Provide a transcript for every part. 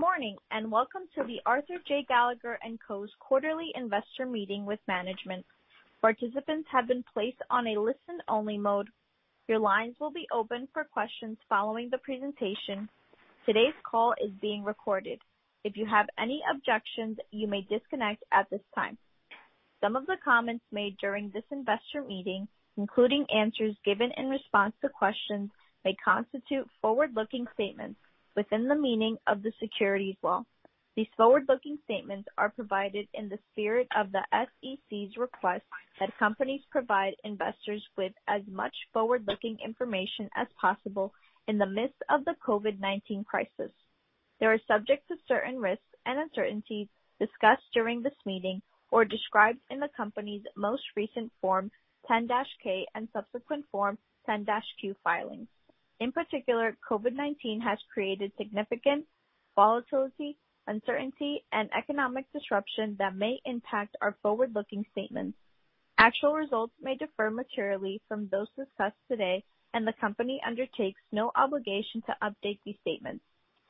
Good morning and welcome to the Arthur J. Gallagher & Co.'s quarterly investor meeting with management. Participants have been placed on a listen-only mode. Your lines will be open for questions following the presentation. Today's call is being recorded. If you have any objections, you may disconnect at this time. Some of the comments made during this investor meeting, including answers given in response to questions, may constitute forward-looking statements within the meaning of the securities law. These forward-looking statements are provided in the spirit of the SEC's request that companies provide investors with as much forward-looking information as possible in the midst of the COVID-19 crisis. They are subject to certain risks and uncertainties discussed during this meeting or described in the company's most recent Form 10-K and subsequent Form 10-Q filings. In particular, COVID-19 has created significant volatility, uncertainty, and economic disruption that may impact our forward-looking statements. Actual results may differ materially from those discussed today, and the company undertakes no obligation to update these statements.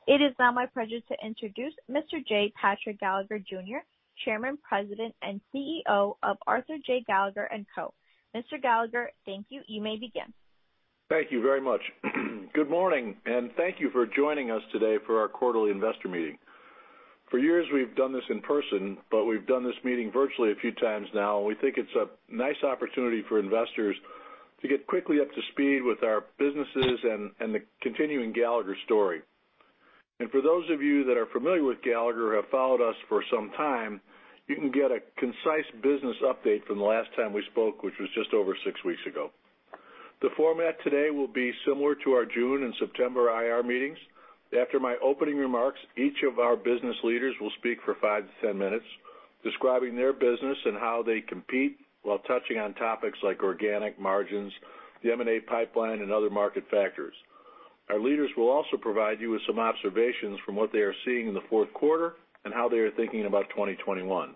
It is now my pleasure to introduce Mr. J. Patrick Gallagher, Jr., Chairman, President, and CEO of Arthur J. Gallagher & Co. Mr. Gallagher, thank you. You may begin. Thank you very much. Good morning, and thank you for joining us today for our quarterly investor meeting. For years, we've done this in person, but we've done this meeting virtually a few times now, and we think it's a nice opportunity for investors to get quickly up to speed with our businesses and the continuing Gallagher story. For those of you that are familiar with Gallagher or have followed us for some time, you can get a concise business update from the last time we spoke, which was just over six weeks ago. The format today will be similar to our June and September IR meetings. After my opening remarks, each of our business leaders will speak for five to ten minutes, describing their business and how they compete while touching on topics like organic margins, the M&A pipeline, and other market factors. Our leaders will also provide you with some observations from what they are seeing in the fourth quarter and how they are thinking about 2021.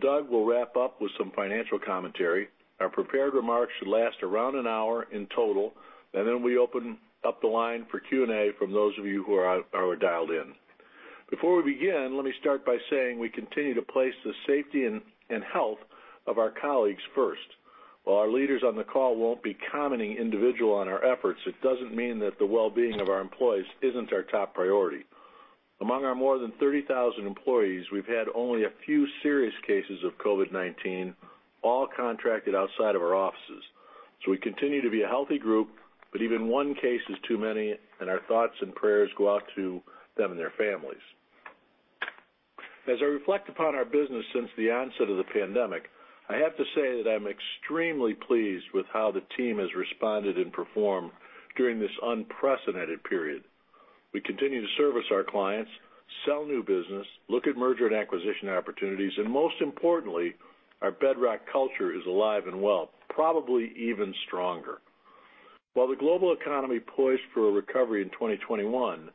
Doug will wrap up with some financial commentary. Our prepared remarks should last around an hour in total, and then we open up the line for Q&A from those of you who are dialed in. Before we begin, let me start by saying we continue to place the safety and health of our colleagues first. While our leaders on the call will not be commenting individually on our efforts, it does not mean that the well-being of our employees is not our top priority. Among our more than 30,000 employees, we have had only a few serious cases of COVID-19, all contracted outside of our offices. We continue to be a healthy group, but even one case is too many, and our thoughts and prayers go out to them and their families. As I reflect upon our business since the onset of the pandemic, I have to say that I'm extremely pleased with how the team has responded and performed during this unprecedented period. We continue to service our clients, sell new business, look at merger and acquisition opportunities, and most importantly, our bedrock culture is alive and well, probably even stronger. While the global economy is poised for a recovery in 2021,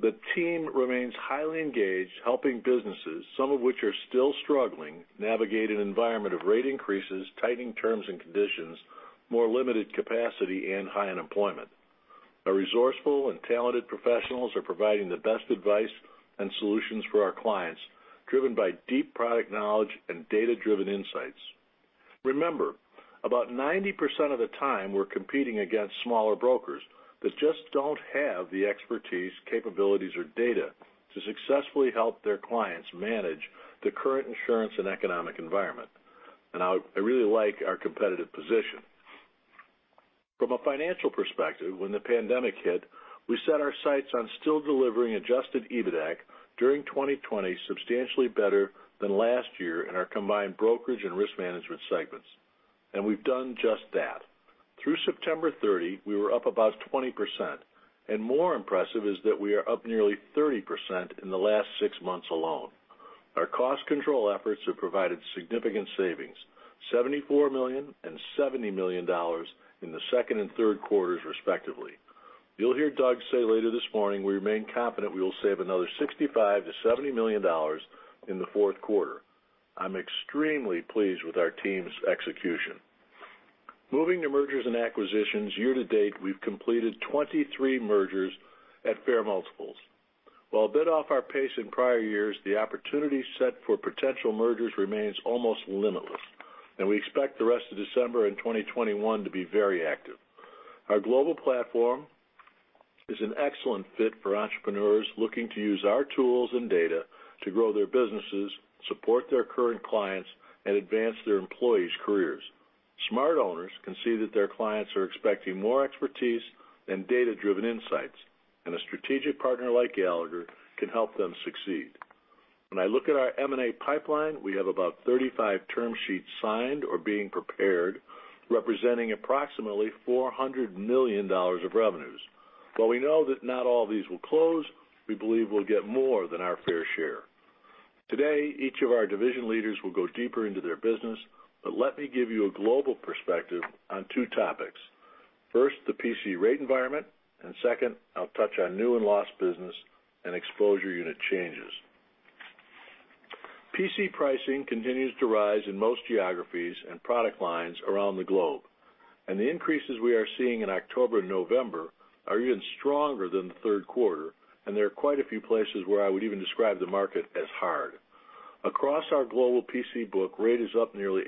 the team remains highly engaged, helping businesses, some of which are still struggling, navigate an environment of rate increases, tightening terms and conditions, more limited capacity, and high unemployment. Our resourceful and talented professionals are providing the best advice and solutions for our clients, driven by deep product knowledge and data-driven insights. Remember, about 90% of the time we're competing against smaller brokers that just don't have the expertise, capabilities, or data to successfully help their clients manage the current insurance and economic environment. I really like our competitive position. From a financial perspective, when the pandemic hit, we set our sights on still delivering adjusted EBITDA during 2020 substantially better than last year in our combined brokerage and risk management segments. We've done just that. Through September 30, we were up about 20%. More impressive is that we are up nearly 30% in the last six months alone. Our cost control efforts have provided significant savings: $74 million and $70 million in the second and third quarters, respectively. You'll hear Doug say later this morning we remain confident we will save another $65 million-$70 million in the fourth quarter. I'm extremely pleased with our team's execution. Moving to mergers and acquisitions, year to date, we've completed 23 mergers at fair multiples. While a bit off our pace in prior years, the opportunity set for potential mergers remains almost limitless, and we expect the rest of December and 2021 to be very active. Our global platform is an excellent fit for entrepreneurs looking to use our tools and data to grow their businesses, support their current clients, and advance their employees' careers. Smart owners can see that their clients are expecting more expertise than data-driven insights, and a strategic partner like Gallagher can help them succeed. When I look at our M&A pipeline, we have about 35 term sheets signed or being prepared, representing approximately $400 million of revenues. While we know that not all of these will close, we believe we'll get more than our fair share. Today, each of our division leaders will go deeper into their business, but let me give you a global perspective on two topics. First, the PC rate environment, and second, I'll touch on new and lost business and exposure unit changes. PC pricing continues to rise in most geographies and product lines around the globe, and the increases we are seeing in October and November are even stronger than the third quarter, and there are quite a few places where I would even describe the market as hard. Across our global PC book, rate is up nearly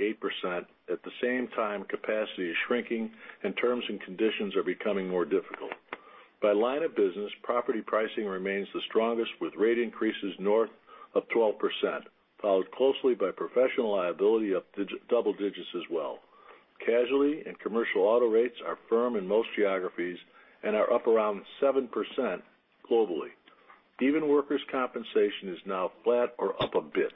8%. At the same time, capacity is shrinking, and terms and conditions are becoming more difficult. By line of business, property pricing remains the strongest, with rate increases north of 12%, followed closely by professional liability of double digits as well. Casualty and commercial auto rates are firm in most geographies and are up around 7% globally. Even workers' compensation is now flat or up a bit.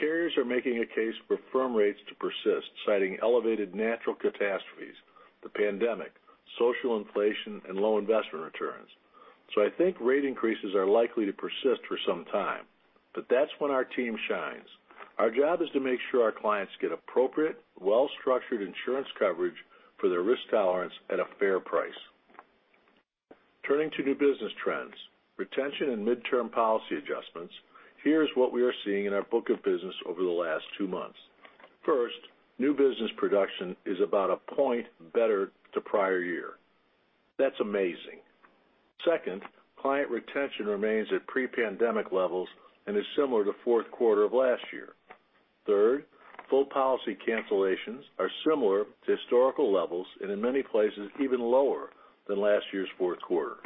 Carriers are making a case for firm rates to persist, citing elevated natural catastrophes, the pandemic, social inflation, and low investment returns. I think rate increases are likely to persist for some time, but that's when our team shines. Our job is to make sure our clients get appropriate, well-structured insurance coverage for their risk tolerance at a fair price. Turning to new business trends, retention, and midterm policy adjustments, here is what we are seeing in our book of business over the last two months. First, new business production is about a point better to prior year. That's amazing. Second, client retention remains at pre-pandemic levels and is similar to the fourth quarter of last year. Third, full policy cancellations are similar to historical levels and in many places even lower than last year's fourth quarter.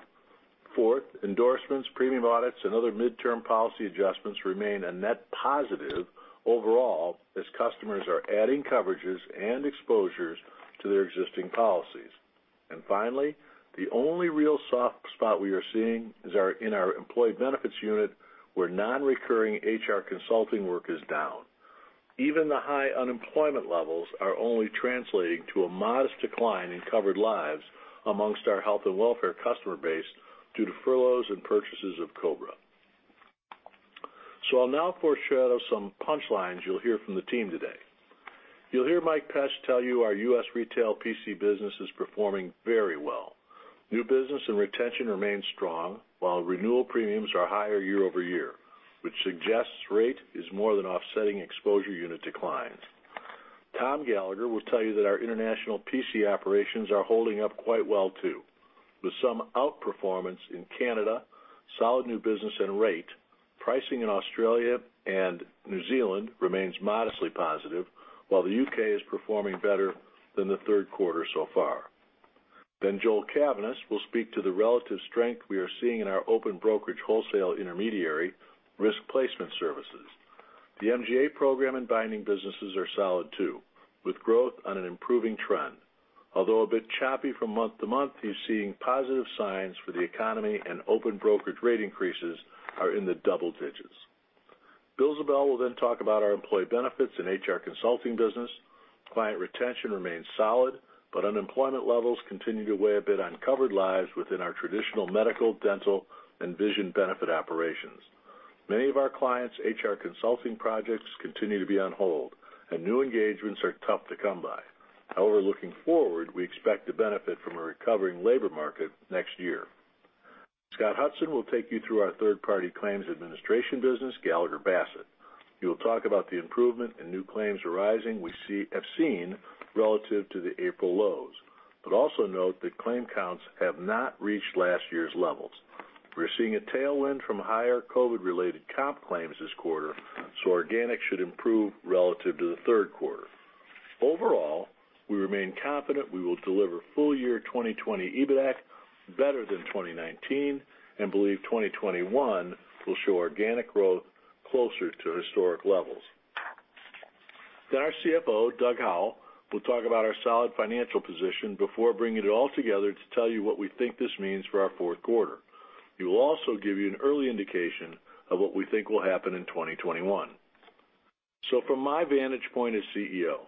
Fourth, endorsements, premium audits, and other midterm policy adjustments remain a net positive overall as customers are adding coverages and exposures to their existing policies. Finally, the only real soft spot we are seeing is in our employee benefits unit where non-recurring HR consulting work is down. Even the high unemployment levels are only translating to a modest decline in covered lives amongst our health and welfare customer base due to furloughs and purchases of COBRA. I'll now foreshadow some punchlines you'll hear from the team today. You'll hear Mike Pesch tell you our U.S. Retail PC business is performing very well. New business and retention remain strong, while renewal premiums are higher year over year, which suggests rate is more than offsetting exposure unit declines. Tom Gallagher will tell you that our International PC Operations are holding up quite well too, with some outperformance in Canada, solid new business and rate. Pricing in Australia and New Zealand remains modestly positive, while the U.K. is performing better than the third quarter so far. Joel Cavaness will speak to the relative strength we are seeing in our Open Brokerage Wholesale Intermediary Risk Placement Services. The MGA program and binding businesses are solid too, with growth on an improving trend. Although a bit choppy from month to month, he's seeing positive signs for the economy, and open brokerage rate increases are in the double digits. Bill Ziebell will then talk about our employee benefits and HR consulting business. Client retention remains solid, but unemployment levels continue to weigh a bit on covered lives within our traditional medical, dental, and vision benefit operations. Many of our clients' HR consulting projects continue to be on hold, and new engagements are tough to come by. However, looking forward, we expect to benefit from a recovering labor market next year. Scott Hudson will take you through our third-party claims administration business, Gallagher Bassett. He will talk about the improvement in new claims arising we have seen relative to the April lows, but also note that claim counts have not reached last year's levels. We're seeing a tailwind from higher COVID-related comp claims this quarter, so organic should improve relative to the third quarter. Overall, we remain confident we will deliver full year 2020 EBITDA better than 2019 and believe 2021 will show organic growth closer to historic levels. Our CFO, Doug Howell, will talk about our solid financial position before bringing it all together to tell you what we think this means for our fourth quarter. He will also give you an early indication of what we think will happen in 2021. From my vantage point as CEO,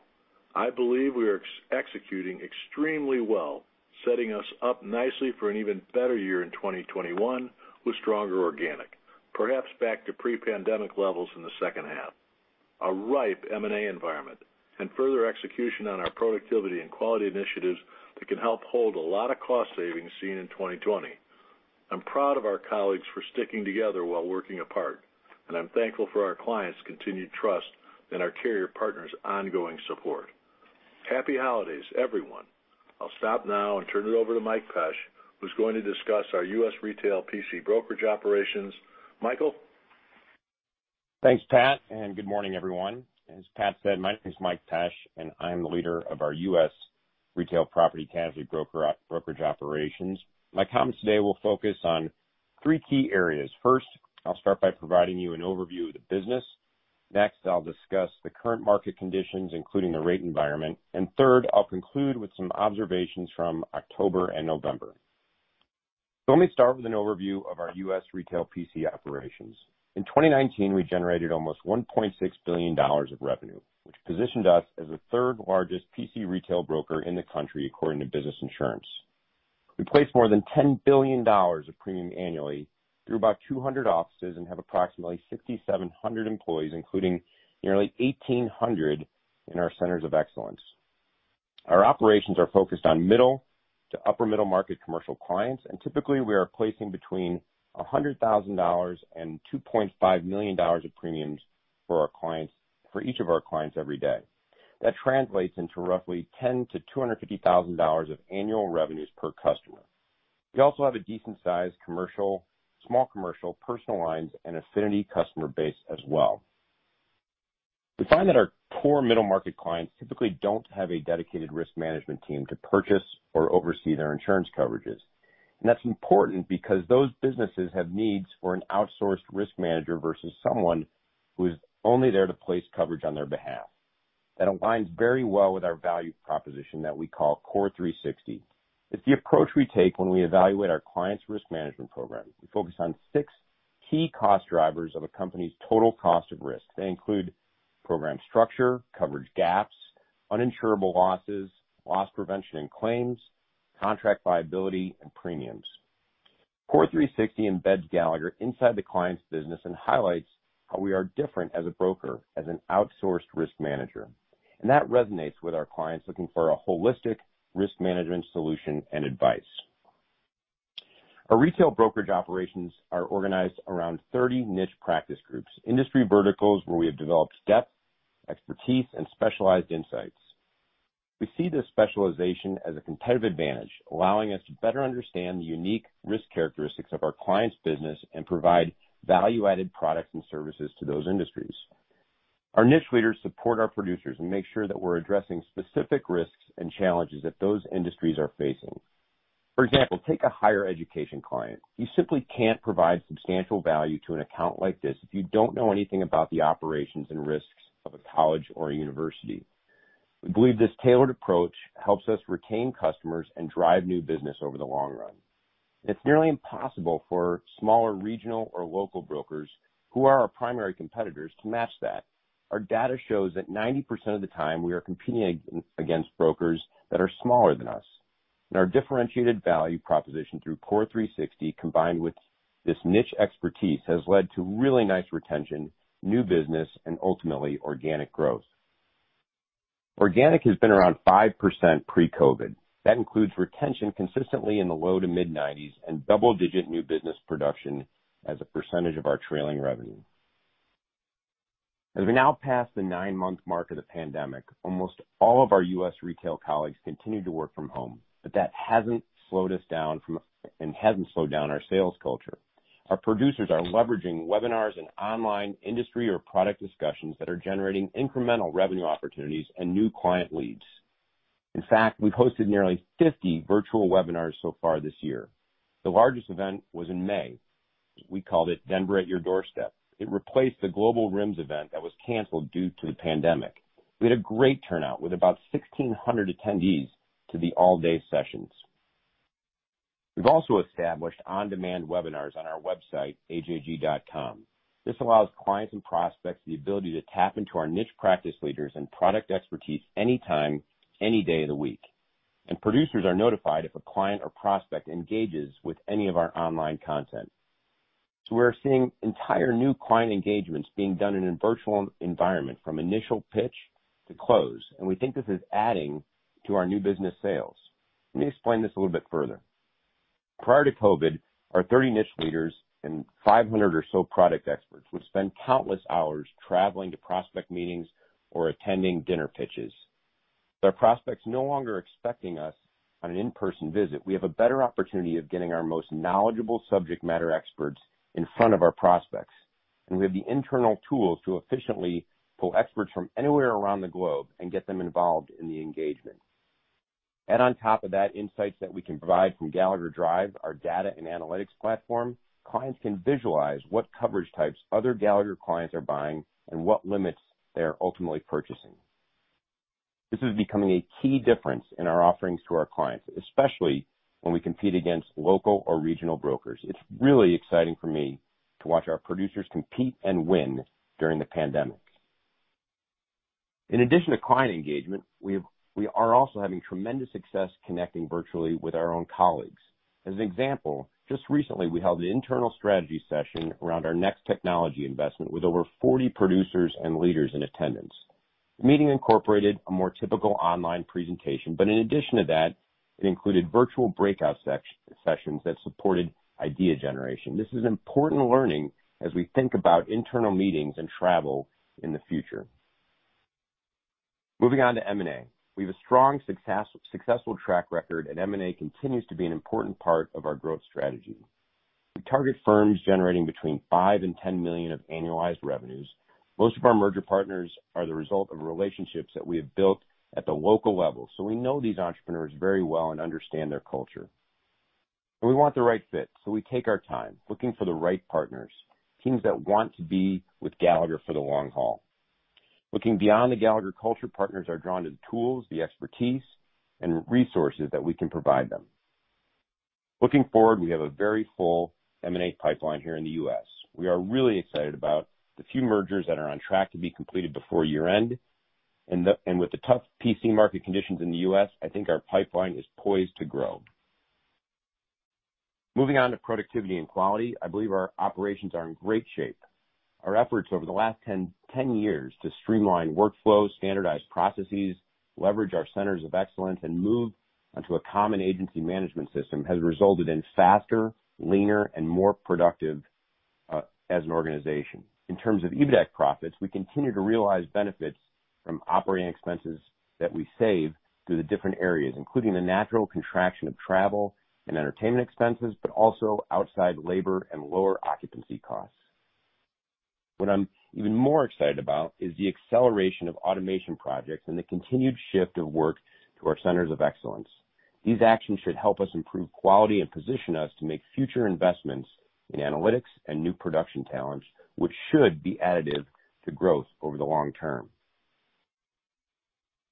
I believe we are executing extremely well, setting us up nicely for an even better year in 2021 with stronger organic, perhaps back to pre-pandemic levels in the second half. A ripe M&A environment and further execution on our productivity and quality initiatives that can help hold a lot of cost savings seen in 2020. I'm proud of our colleagues for sticking together while working apart, and I'm thankful for our clients' continued trust and our carrier partners' ongoing support. Happy holidays, everyone. I'll stop now and turn it over to Mike Pesch, who's going to discuss our U.S. Retail PC Brokerage Operations. Michael. Thanks, Pat, and good morning, everyone. As Pat said, my name is Mike Pesch, and I'm the leader of our U.S. Retail Property Casualty Brokerage Operations. My comments today will focus on three key areas. First, I'll start by providing you an overview of the business. Next, I'll discuss the current market conditions, including the rate environment. Third, I'll conclude with some observations from October and November. Let me start with an overview of our U.S. Retail PC Operations. In 2019, we generated almost $1.6 billion of revenue, which positioned us as the third largest PC retail broker in the country according to Business Insurance. We place more than $10 billion of premium annually through about 200 offices and have approximately 6,700 employees, including nearly 1,800 in our centers of excellence. Our operations are focused on middle to upper-middle market commercial clients, and typically, we are placing between $100,000 and $2.5 million of premiums for each of our clients every day. That translates into roughly $10,000-$250,000 of annual revenues per customer. We also have a decent-sized commercial, small commercial, personal lines, and affinity customer base as well. We find that our core middle market clients typically don't have a dedicated risk management team to purchase or oversee their insurance coverages. That's important because those businesses have needs for an outsourced risk manager versus someone who is only there to place coverage on their behalf. That aligns very well with our value proposition that we call CORE360. It's the approach we take when we evaluate our clients' risk management program. We focus on six key cost drivers of a company's total cost of risk. They include program structure, coverage gaps, uninsurable losses, loss prevention and claims, contract liability, and premiums. CORE360 embeds Gallagher inside the client's business and highlights how we are different as a broker as an outsourced risk manager. That resonates with our clients looking for a holistic risk management solution and advice. Our retail brokerage operations are organized around 30 niche practice groups, industry verticals where we have developed depth, expertise, and specialized insights. We see this specialization as a competitive advantage, allowing us to better understand the unique risk characteristics of our clients' business and provide value-added products and services to those industries. Our niche leaders support our producers and make sure that we're addressing specific risks and challenges that those industries are facing. For example, take a higher education client. You simply can't provide substantial value to an account like this if you don't know anything about the operations and risks of a college or a university. We believe this tailored approach helps us retain customers and drive new business over the long run. It's nearly impossible for smaller regional or local brokers who are our primary competitors to match that. Our data shows that 90% of the time we are competing against brokers that are smaller than us. Our differentiated value proposition through CORE360 combined with this niche expertise has led to really nice retention, new business, and ultimately organic growth. Organic has been around 5% pre-COVID. That includes retention consistently in the low to mid-90% and double-digit new business production as a percentage of our trailing revenue. As we now pass the nine-month mark of the pandemic, almost all of our U.S. Retail colleagues continue to work from home, but that hasn't slowed us down and hasn't slowed down our sales culture. Our producers are leveraging webinars and online industry or product discussions that are generating incremental revenue opportunities and new client leads. In fact, we've hosted nearly 50 virtual webinars so far this year. The largest event was in May. We called it Denver at Your Doorstep. It replaced the Global Rims event that was canceled due to the pandemic. We had a great turnout with about 1,600 attendees to the all-day sessions. We've also established on-demand webinars on our website, ajg.com. This allows clients and prospects the ability to tap into our niche practice leaders and product expertise anytime, any day of the week. Producers are notified if a client or prospect engages with any of our online content. We're seeing entire new client engagements being done in a virtual environment from initial pitch to close, and we think this is adding to our new business sales. Let me explain this a little bit further. Prior to COVID-19, our 30 niche leaders and 500 or so product experts would spend countless hours traveling to prospect meetings or attending dinner pitches. With our prospects no longer expecting us on an in-person visit, we have a better opportunity of getting our most knowledgeable subject matter experts in front of our prospects, and we have the internal tools to efficiently pull experts from anywhere around the globe and get them involved in the engagement. On top of that, insights that we can provide from Gallagher Drive, our data and analytics platform, clients can visualize what coverage types other Gallagher clients are buying and what limits they're ultimately purchasing. This is becoming a key difference in our offerings to our clients, especially when we compete against local or regional brokers. It's really exciting for me to watch our producers compete and win during the pandemic. In addition to client engagement, we are also having tremendous success connecting virtually with our own colleagues. As an example, just recently, we held an internal strategy session around our next technology investment with over 40 producers and leaders in attendance. The meeting incorporated a more typical online presentation, but in addition to that, it included virtual breakout sessions that supported idea generation. This is important learning as we think about internal meetings and travel in the future. Moving on to M&A. We have a strong, successful track record, and M&A continues to be an important part of our growth strategy. We target firms generating between $5 million and $10 million of annualized revenues. Most of our merger partners are the result of relationships that we have built at the local level, so we know these entrepreneurs very well and understand their culture. We want the right fit, so we take our time looking for the right partners, teams that want to be with Gallagher for the long haul. Looking beyond the Gallagher culture, partners are drawn to the tools, the expertise, and resources that we can provide them. Looking forward, we have a very full M&A pipeline here in the U.S. We are really excited about the few mergers that are on track to be completed before year-end. With the tough PC market conditions in the U.S., I think our pipeline is poised to grow. Moving on to productivity and quality, I believe our operations are in great shape. Our efforts over the last 10 years to streamline workflows, standardize processes, leverage our centers of excellence, and move onto a common agency management system have resulted in faster, leaner, and more productive as an organization. In terms of EBITDA profits, we continue to realize benefits from operating expenses that we save through the different areas, including the natural contraction of travel and entertainment expenses, but also outside labor and lower occupancy costs. What I'm even more excited about is the acceleration of automation projects and the continued shift of work to our centers of excellence. These actions should help us improve quality and position us to make future investments in analytics and new production talent, which should be additive to growth over the long term.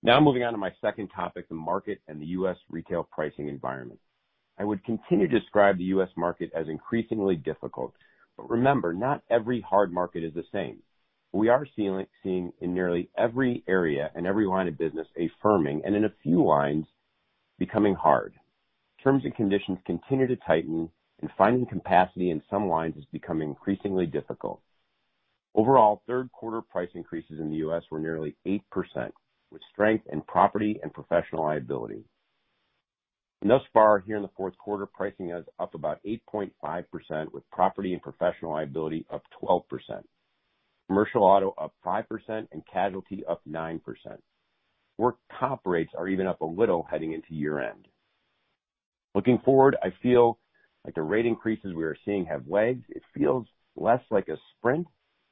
Now, moving on to my second topic, the market and the U.S. retail pricing environment. I would continue to describe the U.S. market as increasingly difficult, but remember, not every hard market is the same. We are seeing in nearly every area and every line of business a firming and, in a few lines, becoming hard. Terms and conditions continue to tighten, and finding capacity in some lines is becoming increasingly difficult. Overall, third-quarter price increases in the U.S. were nearly 8%, with strength in property and professional liability. Thus far, here in the fourth quarter, pricing is up about 8.5%, with property and professional liability up 12%, commercial auto up 5%, and casualty up 9%. Work comp rates are even up a little heading into year-end. Looking forward, I feel like the rate increases we are seeing have legs. It feels less like a sprint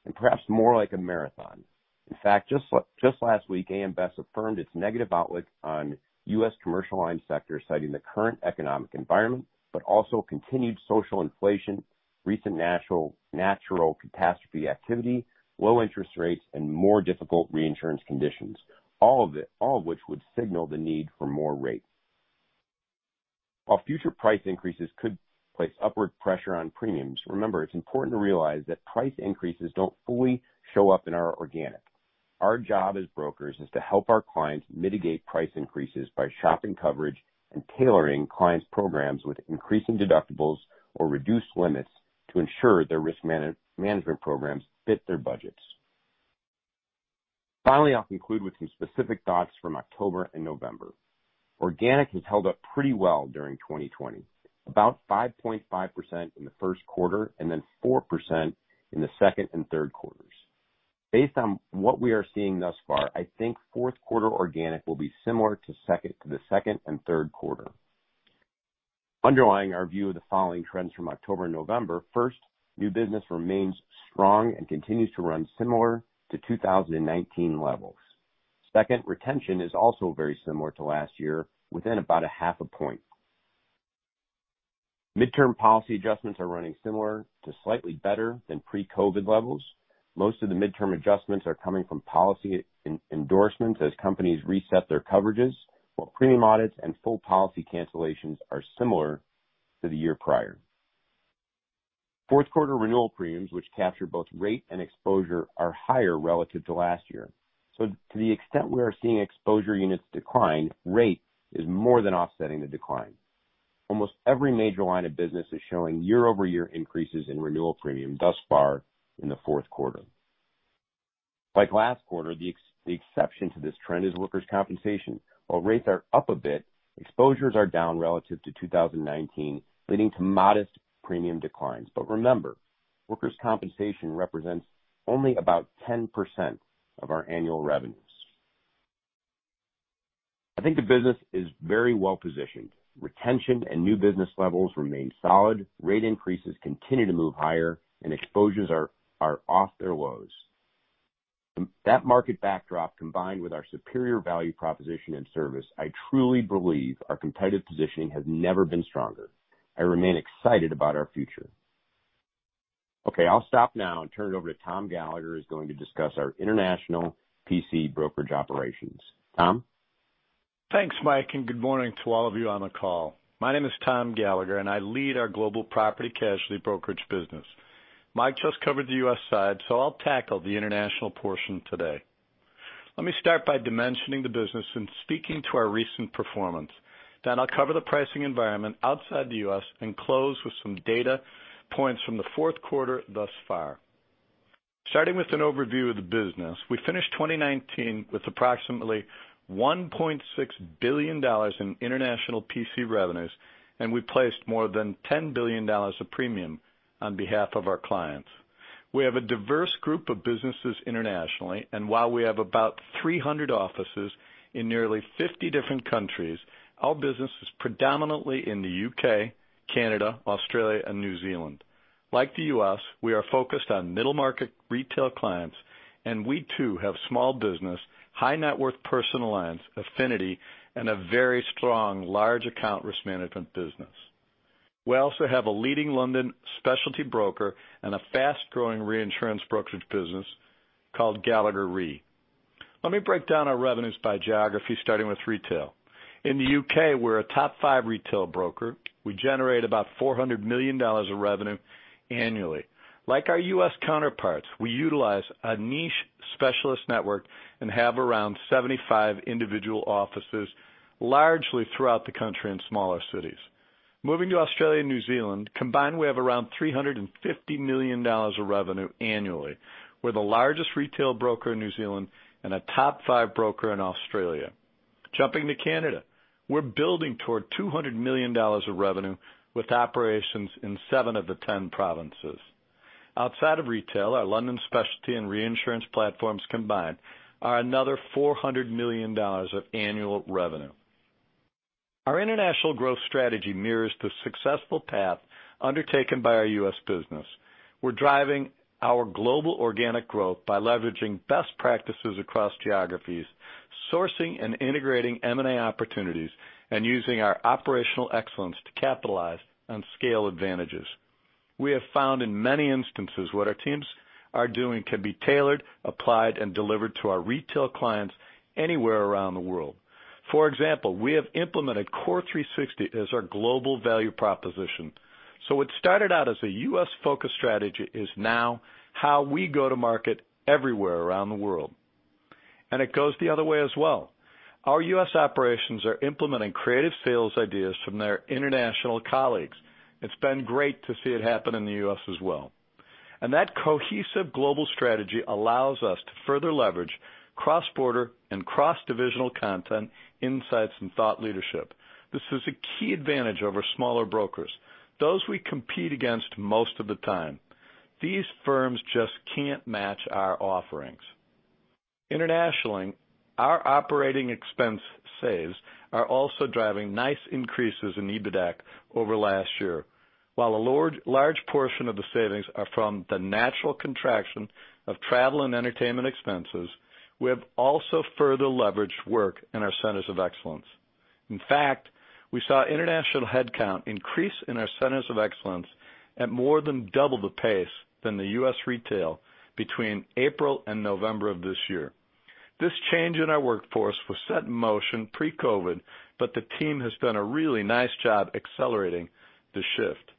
and perhaps more like a marathon. In fact, just last week, AM Best affirmed its negative outlook on U.S. Commercial line sector, citing the current economic environment, but also continued social inflation, recent natural catastrophe activity, low interest rates, and more difficult reinsurance conditions, all of which would signal the need for more rates. While future price increases could place upward pressure on premiums, remember, it's important to realize that price increases don't fully show up in our organic. Our job as brokers is to help our clients mitigate price increases by shopping coverage and tailoring clients' programs with increasing deductibles or reduced limits to ensure their risk management programs fit their budgets. Finally, I'll conclude with some specific thoughts from October and November. Organic has held up pretty well during 2020, about 5.5% in the first quarter and then 4% in the second and third quarters. Based on what we are seeing thus far, I think fourth-quarter organic will be similar to the second and third quarter. Underlying our view of the following trends from October and November, first, new business remains strong and continues to run similar to 2019 levels. Second, retention is also very similar to last year, within about half a point. Midterm policy adjustments are running similar to slightly better than pre-COVID levels. Most of the midterm adjustments are coming from policy endorsements as companies reset their coverages, while premium audits and full policy cancellations are similar to the year prior. Fourth-quarter renewal premiums, which capture both rate and exposure, are higher relative to last year. To the extent we are seeing exposure units decline, rate is more than offsetting the decline. Almost every major line of business is showing year-over-year increases in renewal premium thus far in the fourth quarter. Like last quarter, the exception to this trend is workers' compensation. While rates are up a bit, exposures are down relative to 2019, leading to modest premium declines. Remember, workers' compensation represents only about 10% of our annual revenues. I think the business is very well positioned. Retention and new business levels remain solid. Rate increases continue to move higher, and exposures are off their lows. That market backdrop, combined with our superior value proposition and service, I truly believe our competitive positioning has never been stronger. I remain excited about our future. Okay, I'll stop now and turn it over to Tom Gallagher, who is going to discuss our international PC Brokerage Operations. Tom? Thanks, Mike, and good morning to all of you on the call. My name is Tom Gallagher, and I lead our Global Property Casualty Brokerage business. Mike just covered the U.S. side, so I'll tackle the international portion today. Let me start by dimensioning the business and speaking to our recent performance. Then I'll cover the pricing environment outside the U.S. and close with some data points from the fourth quarter thus far. Starting with an overview of the business, we finished 2019 with approximately $1.6 billion in International PC revenues, and we placed more than $10 billion of premium on behalf of our clients. We have a diverse group of businesses internationally, and while we have about 300 offices in nearly 50 different countries, our business is predominantly in the U.K., Canada, Australia, and New Zealand. Like the U.S., we are focused on middle-market retail clients, and we too have small business, high-net-worth personal lines, affinity, and a very strong large account risk management business. We also have a leading London specialty broker and a fast-growing reinsurance brokerage business called Gallagher Re. Let me break down our revenues by geography, starting with retail. In the U.K., we're a top five retail broker. We generate about $400 million of revenue annually. Like our U.S. counterparts, we utilize a niche specialist network and have around 75 individual offices largely throughout the country and smaller cities. Moving to Australia and New Zealand, combined, we have around $350 million of revenue annually. We're the largest retail broker in New Zealand and a top five broker in Australia. Jumping to Canada, we're building toward $200 million of revenue with operations in seven of the 10 provinces. Outside of retail, our London specialty and reinsurance platforms combined are another $400 million of annual revenue. Our international growth strategy mirrors the successful path undertaken by our U.S. business. We're driving our global organic growth by leveraging best practices across geographies, sourcing and integrating M&A opportunities, and using our operational excellence to capitalize on scale advantages. We have found in many instances what our teams are doing can be tailored, applied, and delivered to our retail clients anywhere around the world. For example, we have implemented CORE360 as our global value proposition. What started out as a U.S.-focused strategy is now how we go to market everywhere around the world. It goes the other way as well. Our U.S. operations are implementing creative sales ideas from their international colleagues. It's been great to see it happen in the U.S. as well. That cohesive global strategy allows us to further leverage cross-border and cross-divisional content, insights, and thought leadership. This is a key advantage over smaller brokers, those we compete against most of the time. These firms just can't match our offerings. Internationally, our operating expense saves are also driving nice increases in EBITDA over last year. While a large portion of the savings are from the natural contraction of travel and entertainment expenses, we have also further leveraged work in our centers of excellence. In fact, we saw international headcount increase in our centers of excellence at more than double the pace than the U.S. retail between April and November of this year. This change in our workforce was set in motion pre-COVID, but the team has done a really nice job accelerating the shift.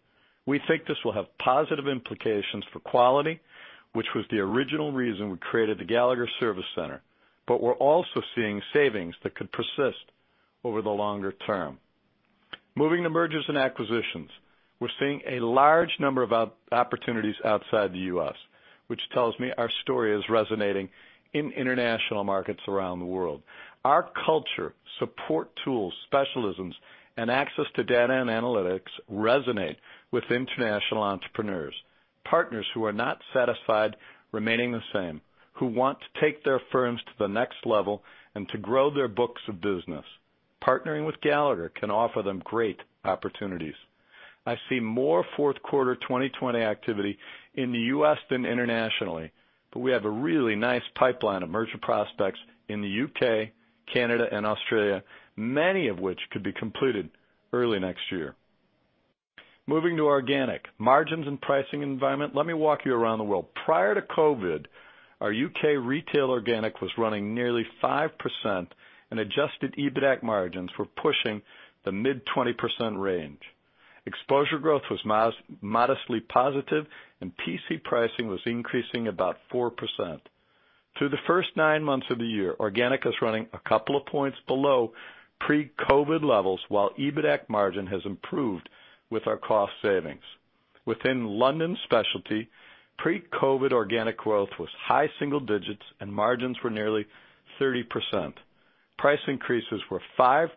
We think this will have positive implications for quality, which was the original reason we created the Gallagher Service Center. We're also seeing savings that could persist over the longer term. Moving to mergers and acquisitions, we're seeing a large number of opportunities outside the U.S., which tells me our story is resonating in international markets around the world. Our culture, support tools, specialisms, and access to data and analytics resonate with international entrepreneurs, partners who are not satisfied remaining the same, who want to take their firms to the next level and to grow their books of business. Partnering with Gallagher can offer them great opportunities. I see more fourth quarter 2020 activity in the U.S. than internationally, but we have a really nice pipeline of merger prospects in the U.K., Canada, and Australia, many of which could be completed early next year. Moving to organic, margins and pricing environment, let me walk you around the world. Prior to COVID-19, our U.K. retail organic was running nearly 5%, and adjusted EBITDA margins were pushing the mid-20% range. Exposure growth was modestly positive, and PC pricing was increasing about 4%. Through the first nine months of the year, organic is running a couple of points below pre-COVID levels, while EBITDA margin has improved with our cost savings. Within London specialty, pre-COVID organic growth was high single digits, and margins were nearly 30%. Price increases were 5%-10%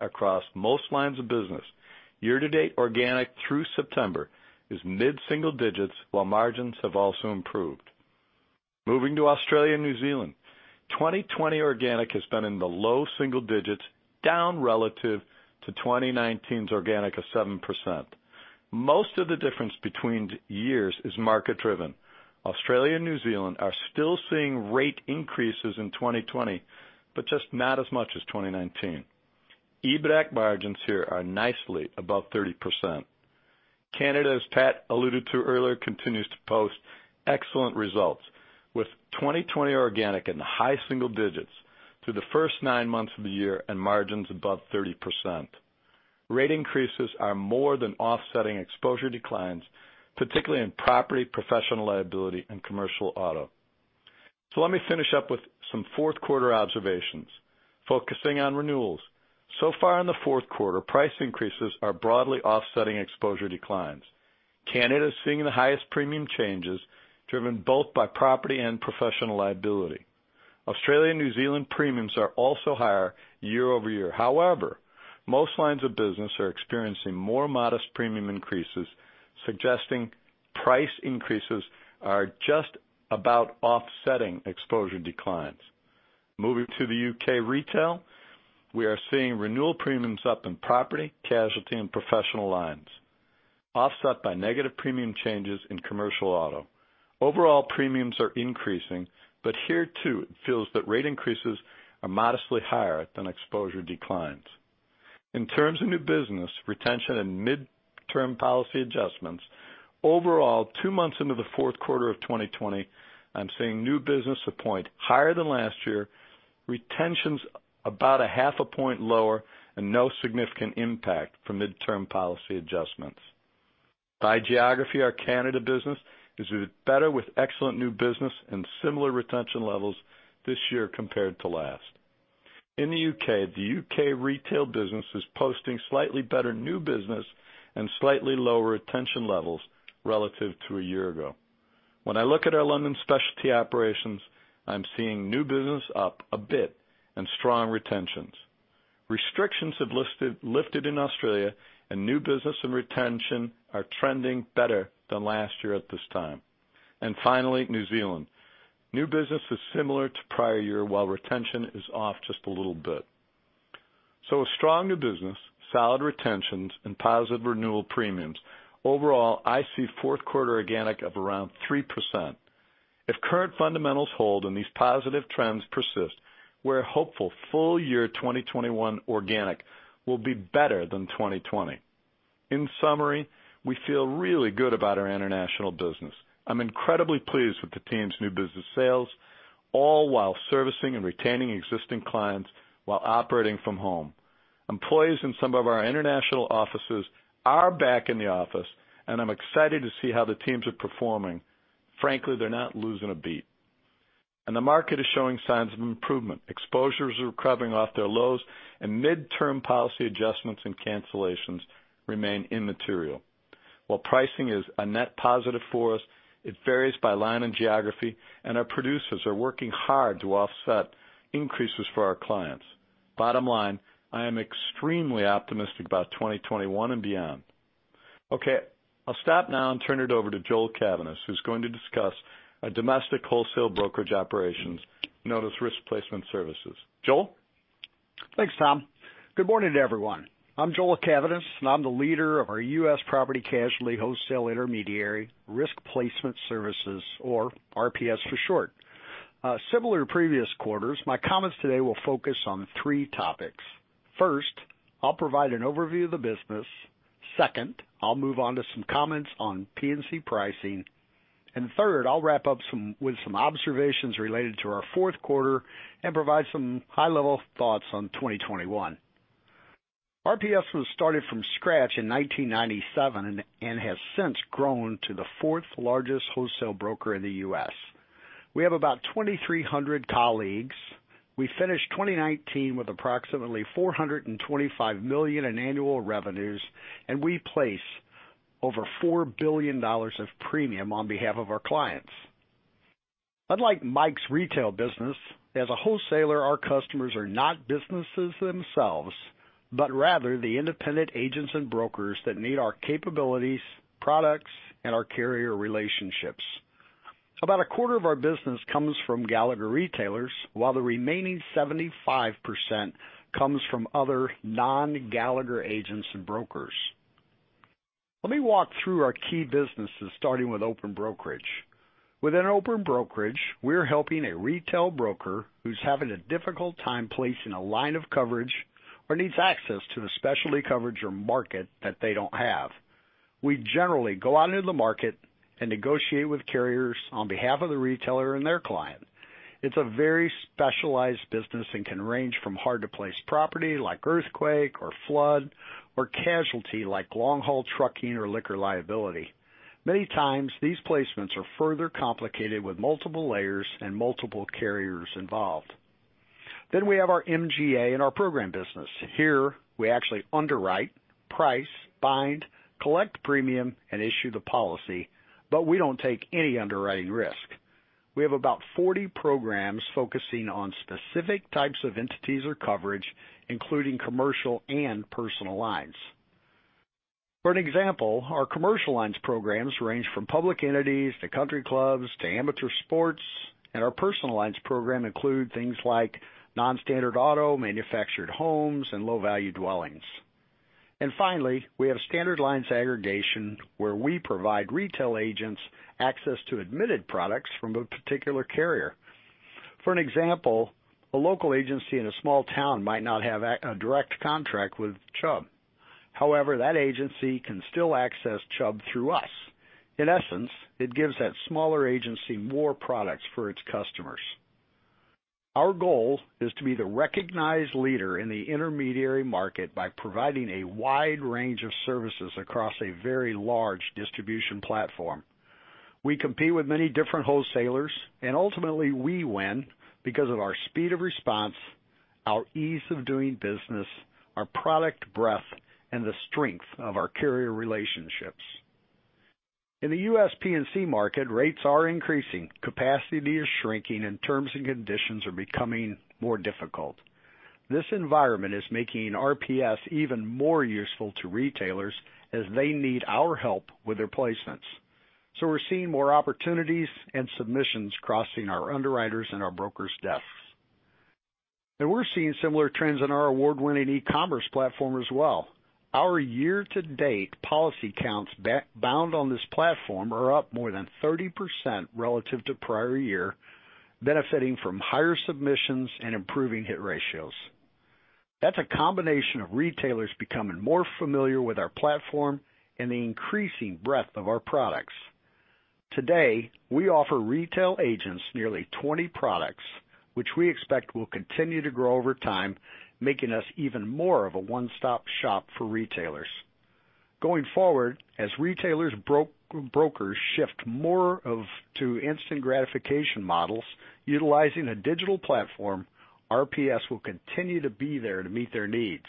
across most lines of business. Year-to-date organic through September is mid-single digits, while margins have also improved. Moving to Australia and New Zealand, 2020 organic has been in the low single digits, down relative to 2019's organic of 7%. Most of the difference between years is market-driven. Australia and New Zealand are still seeing rate increases in 2020, but just not as much as 2019. EBITDA margins here are nicely above 30%. Canada's, Pat alluded to earlier, continues to post excellent results, with 2020 organic in the high single digits through the first nine months of the year and margins above 30%. Rate increases are more than offsetting exposure declines, particularly in property, professional liability, and commercial auto. Let me finish up with some fourth-quarter observations, focusing on renewals. So far in the fourth quarter, price increases are broadly offsetting exposure declines. Canada is seeing the highest premium changes, driven both by property and professional liability. Australia and New Zealand premiums are also higher year over year. However, most lines of business are experiencing more modest premium increases, suggesting price increases are just about offsetting exposure declines. Moving to the U.K. retail, we are seeing renewal premiums up in property, casualty, and professional lines, offset by negative premium changes in commercial auto. Overall, premiums are increasing, but here too, it feels that rate increases are modestly higher than exposure declines. In terms of new business, retention and midterm policy adjustments, overall, two months into the fourth quarter of 2020, I'm seeing new business a point higher than last year, retentions about a half a point lower, and no significant impact from midterm policy adjustments. By geography, our Canada business is better with excellent new business and similar retention levels this year compared to last. In the U.K., the U.K. retail business is posting slightly better new business and slightly lower retention levels relative to a year ago. When I look at our London specialty operations, I'm seeing new business up a bit and strong retentions. Restrictions have lifted in Australia, and new business and retention are trending better than last year at this time. Finally, New Zealand. New business is similar to prior year, while retention is off just a little bit. A strong new business, solid retentions, and positive renewal premiums. Overall, I see fourth quarter organic of around 3%. If current fundamentals hold and these positive trends persist, we're hopeful full year 2021 organic will be better than 2020. In summary, we feel really good about our international business. I'm incredibly pleased with the team's new business sales, all while servicing and retaining existing clients while operating from home. Employees in some of our international offices are back in the office, and I'm excited to see how the teams are performing. Frankly, they're not losing a beat. The market is showing signs of improvement. Exposures are recovering off their lows, and midterm policy adjustments and cancellations remain immaterial. While pricing is a net positive for us, it varies by line and geography, and our producers are working hard to offset increases for our clients. Bottom line, I am extremely optimistic about 2021 and beyond. Okay, I'll stop now and turn it over to Joel Cavaness, who's going to discuss our Domestic Wholesale Brokerage Operations, known as Risk Placement Services. Joel? Thanks, Tom. Good morning to everyone. I'm Joel Cavaness, and I'm the leader of our U.S. Property Casualty Wholesale Intermediary Risk Placement Services, or RPS for short. Similar to previous quarters, my comments today will focus on three topics. First, I'll provide an overview of the business. Second, I'll move on to some comments on P&C pricing. And third, I'll wrap up with some observations related to our fourth quarter and provide some high-level thoughts on 2021. RPS was started from scratch in 1997 and has since grown to the fourth largest wholesale broker in the U.S. We have about 2,300 colleagues. We finished 2019 with approximately $425 million in annual revenues, and we place over $4 billion of premium on behalf of our clients. Unlike Mike's retail business, as a wholesaler, our customers are not businesses themselves, but rather the independent agents and brokers that need our capabilities, products, and our carrier relationships. About a quarter of our business comes from Gallagher retailers, while the remaining 75% comes from other non-Gallagher agents and brokers. Let me walk through our key businesses, starting with open brokerage. Within open brokerage, we're helping a retail broker who's having a difficult time placing a line of coverage or needs access to a specialty coverage or market that they don't have. We generally go out into the market and negotiate with carriers on behalf of the retailer and their client. It's a very specialized business and can range from hard-to-place property like earthquake or flood or casualty like long-haul trucking or liquor liability. Many times, these placements are further complicated with multiple layers and multiple carriers involved. We have our MGA and our program business. Here, we actually underwrite, price, bind, collect premium, and issue the policy, but we don't take any underwriting risk. We have about 40 programs focusing on specific types of entities or coverage, including commercial and personal lines. For an example, our commercial lines programs range from public entities to country clubs to amateur sports, and our personal lines program includes things like non-standard auto, manufactured homes, and low-value dwellings. We have standard lines aggregation where we provide retail agents access to admitted products from a particular carrier. For an example, a local agency in a small town might not have a direct contract with Chubb. However, that agency can still access Chubb through us. In essence, it gives that smaller agency more products for its customers. Our goal is to be the recognized leader in the intermediary market by providing a wide range of services across a very large distribution platform. We compete with many different wholesalers, and ultimately, we win because of our speed of response, our ease of doing business, our product breadth, and the strength of our carrier relationships. In the U.S. P&C market, rates are increasing, capacity is shrinking, and terms and conditions are becoming more difficult. This environment is making RPS even more useful to retailers as they need our help with their placements. We are seeing more opportunities and submissions crossing our underwriters and our brokers' desks. We are seeing similar trends in our award-winning e-commerce platform as well. Our year-to-date policy counts bound on this platform are up more than 30% relative to prior year, benefiting from higher submissions and improving hit ratios. That is a combination of retailers becoming more familiar with our platform and the increasing breadth of our products. Today, we offer retail agents nearly 20 products, which we expect will continue to grow over time, making us even more of a one-stop shop for retailers. Going forward, as retailers and brokers shift more to instant gratification models utilizing a digital platform, RPS will continue to be there to meet their needs.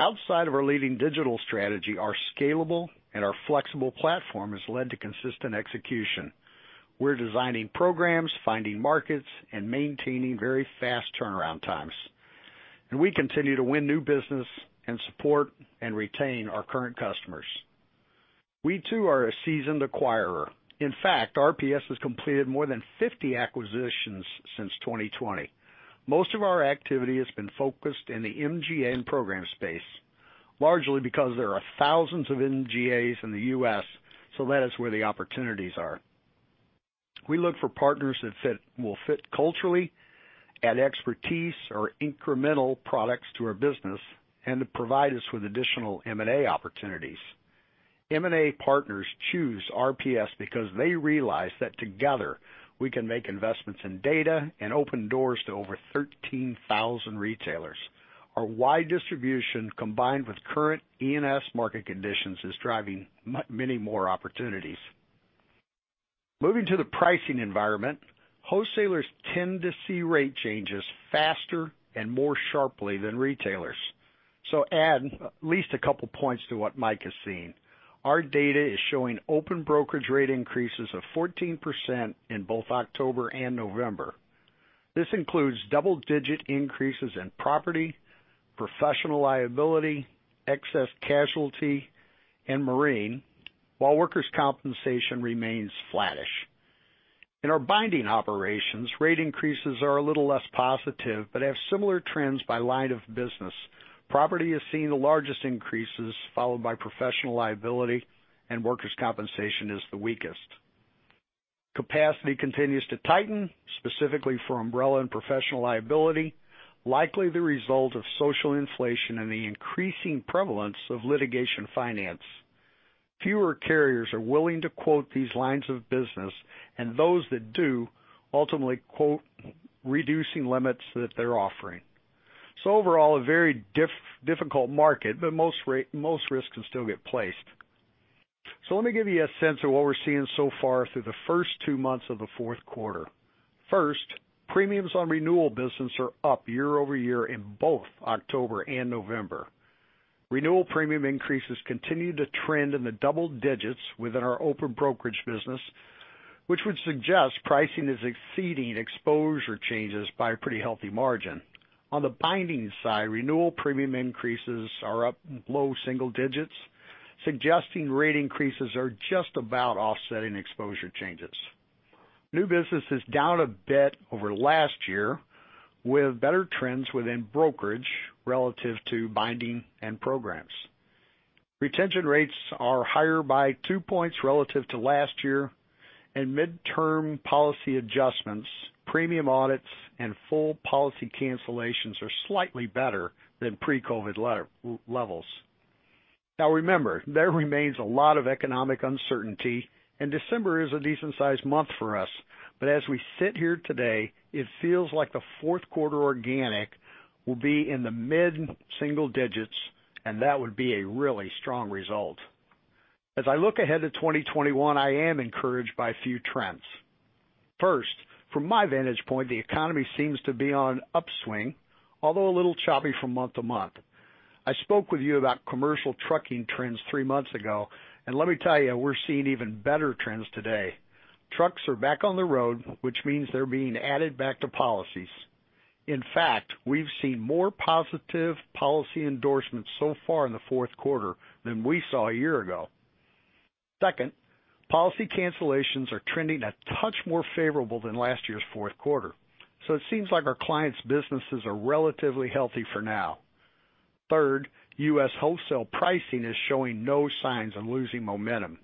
Outside of our leading digital strategy, our scalable and our flexible platform has led to consistent execution. We're designing programs, finding markets, and maintaining very fast turnaround times. We continue to win new business and support and retain our current customers. We too are a seasoned acquirer. In fact, RPS has completed more than 50 acquisitions since 2020. Most of our activity has been focused in the MGA and program space, largely because there are thousands of MGAs in the U.S., so that is where the opportunities are. We look for partners that will fit culturally, add expertise, or incremental products to our business, and provide us with additional M&A opportunities. M&A partners choose RPS because they realize that together we can make investments in data and open doors to over 13,000 retailers. Our wide distribution combined with current E&S market conditions is driving many more opportunities. Moving to the pricing environment, wholesalers tend to see rate changes faster and more sharply than retailers. Add at least a couple of points to what Mike has seen. Our data is showing open brokerage rate increases of 14% in both October and November. This includes double-digit increases in property, professional liability, excess casualty, and marine, while workers' compensation remains flattish. In our binding operations, rate increases are a little less positive but have similar trends by line of business. Property has seen the largest increases, followed by professional liability, and workers' compensation is the weakest. Capacity continues to tighten, specifically for umbrella and professional liability, likely the result of social inflation and the increasing prevalence of litigation finance. Fewer carriers are willing to quote these lines of business, and those that do ultimately quote reducing limits that they're offering. Overall, a very difficult market, but most risks can still get placed. Let me give you a sense of what we're seeing so far through the first two months of the fourth quarter. First, premiums on renewal business are up year over year in both October and November. Renewal premium increases continue to trend in the double digits within our open brokerage business, which would suggest pricing is exceeding exposure changes by a pretty healthy margin. On the binding side, renewal premium increases are up below single digits, suggesting rate increases are just about offsetting exposure changes. New business is down a bit over last year with better trends within brokerage relative to binding and programs. Retention rates are higher by two points relative to last year, and midterm policy adjustments, premium audits, and full policy cancellations are slightly better than pre-COVID levels. Now, remember, there remains a lot of economic uncertainty, and December is a decent-sized month for us, but as we sit here today, it feels like the fourth quarter organic will be in the mid-single digits, and that would be a really strong result. As I look ahead to 2021, I am encouraged by a few trends. First, from my vantage point, the economy seems to be on an upswing, although a little choppy from month to month. I spoke with you about commercial trucking trends three months ago, and let me tell you, we're seeing even better trends today. Trucks are back on the road, which means they're being added back to policies. In fact, we've seen more positive policy endorsements so far in the fourth quarter than we saw a year ago. Second, policy cancellations are trending a touch more favorable than last year's fourth quarter, so it seems like our clients' businesses are relatively healthy for now. Third, U.S. wholesale pricing is showing no signs of losing momentum.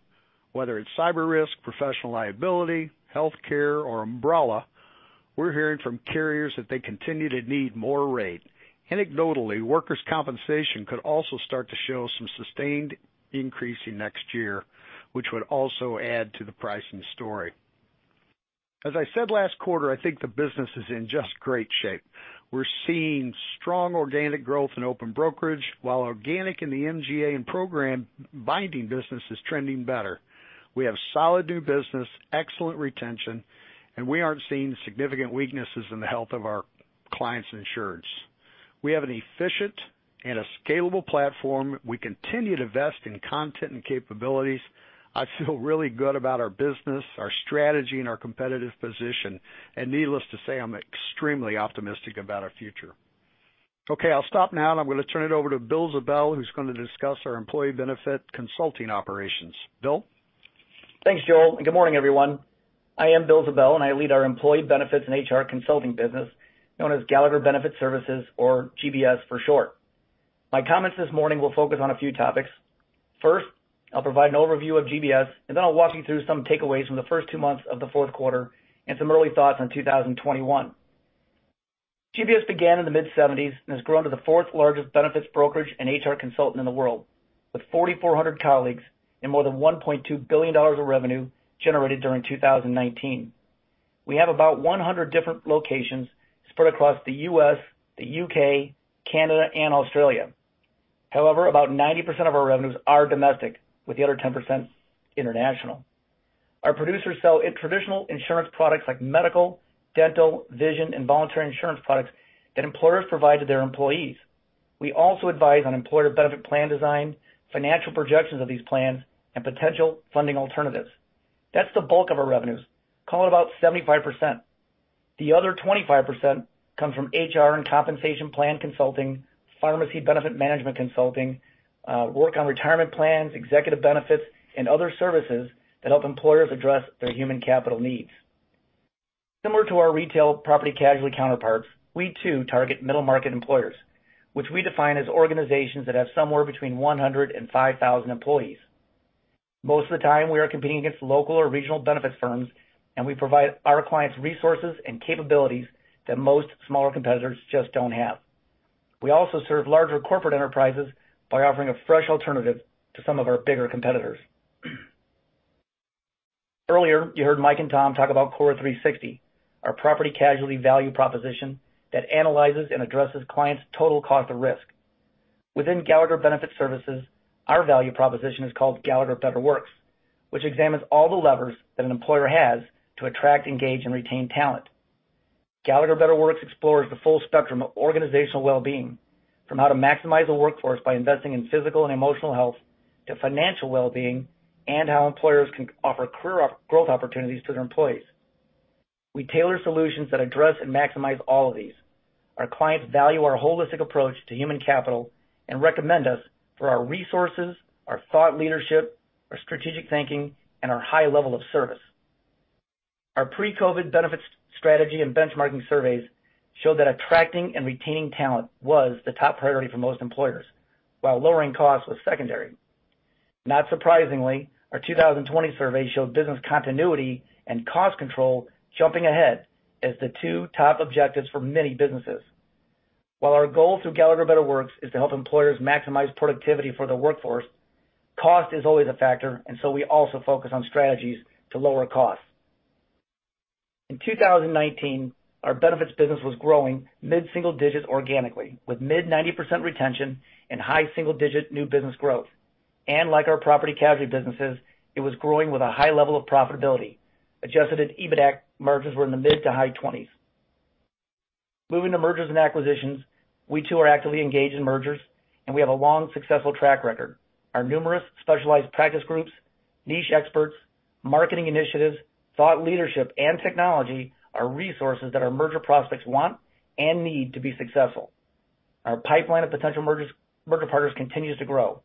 Whether it's cyber risk, professional liability, healthcare, or umbrella, we're hearing from carriers that they continue to need more rate. Anecdotally, workers' compensation could also start to show some sustained increase next year, which would also add to the pricing story. As I said last quarter, I think the business is in just great shape. We're seeing strong organic growth in open brokerage, while organic in the MGA and program binding business is trending better. We have solid new business, excellent retention, and we aren't seeing significant weaknesses in the health of our clients' insurance. We have an efficient and a scalable platform. We continue to invest in content and capabilities. I feel really good about our business, our strategy, and our competitive position, and needless to say, I'm extremely optimistic about our future. Okay, I'll stop now, and I'm going to turn it over to Bill Ziebell, who's going to discuss our employee benefit consulting operations. Bill? Thanks, Joel. Good morning, everyone. I am Bill Ziebell, and I lead our employee benefits and HR consulting business known as Gallagher Benefit Services, or GBS for short. My comments this morning will focus on a few topics. First, I'll provide an overview of GBS, and then I'll walk you through some takeaways from the first two months of the fourth quarter and some early thoughts on 2021. GBS began in the mid-1970s and has grown to the fourth largest benefits brokerage and HR consultant in the world, with 4,400 colleagues and more than $1.2 billion of revenue generated during 2019. We have about 100 different locations spread across the U.S., the U.K., Canada, and Australia. However, about 90% of our revenues are domestic, with the other 10% international. Our producers sell traditional insurance products like medical, dental, vision, and voluntary insurance products that employers provide to their employees. We also advise on employer benefit plan design, financial projections of these plans, and potential funding alternatives. That's the bulk of our revenues. Call it about 75%. The other 25% comes from HR and compensation plan consulting, pharmacy benefit management consulting, work on retirement plans, executive benefits, and other services that help employers address their human capital needs. Similar to our retail property casualty counterparts, we too target middle-market employers, which we define as organizations that have somewhere between 100 and 5,000 employees. Most of the time, we are competing against local or regional benefits firms, and we provide our clients resources and capabilities that most smaller competitors just do not have. We also serve larger corporate enterprises by offering a fresh alternative to some of our bigger competitors. Earlier, you heard Mike and Tom talk about CORE360, our property casualty value proposition that analyzes and addresses clients' total cost of risk. Within Gallagher Benefit Services, our value proposition is called Gallagher Better Works, which examines all the levers that an employer has to attract, engage, and retain talent. Gallagher Better Works explores the full spectrum of organizational well-being, from how to maximize a workforce by investing in physical and emotional health to financial well-being and how employers can offer career growth opportunities to their employees. We tailor solutions that address and maximize all of these. Our clients value our holistic approach to human capital and recommend us for our resources, our thought leadership, our strategic thinking, and our high level of service. Our pre-COVID-19 benefits strategy and benchmarking surveys showed that attracting and retaining talent was the top priority for most employers, while lowering costs was secondary. Not surprisingly, our 2020 survey showed business continuity and cost control jumping ahead as the two top objectives for many businesses. While our goal through Gallagher Better Works is to help employers maximize productivity for the workforce, cost is always a factor, and so we also focus on strategies to lower costs. In 2019, our benefits business was growing mid-single digits organically, with mid-90% retention and high single-digit new business growth. Like our property and casualty businesses, it was growing with a high level of profitability. Adjusted EBITDA margins were in the mid to high 20s. Moving to mergers and acquisitions, we too are actively engaged in mergers, and we have a long successful track record. Our numerous specialized practice groups, niche experts, marketing initiatives, thought leadership, and technology are resources that our merger prospects want and need to be successful. Our pipeline of potential merger partners continues to grow.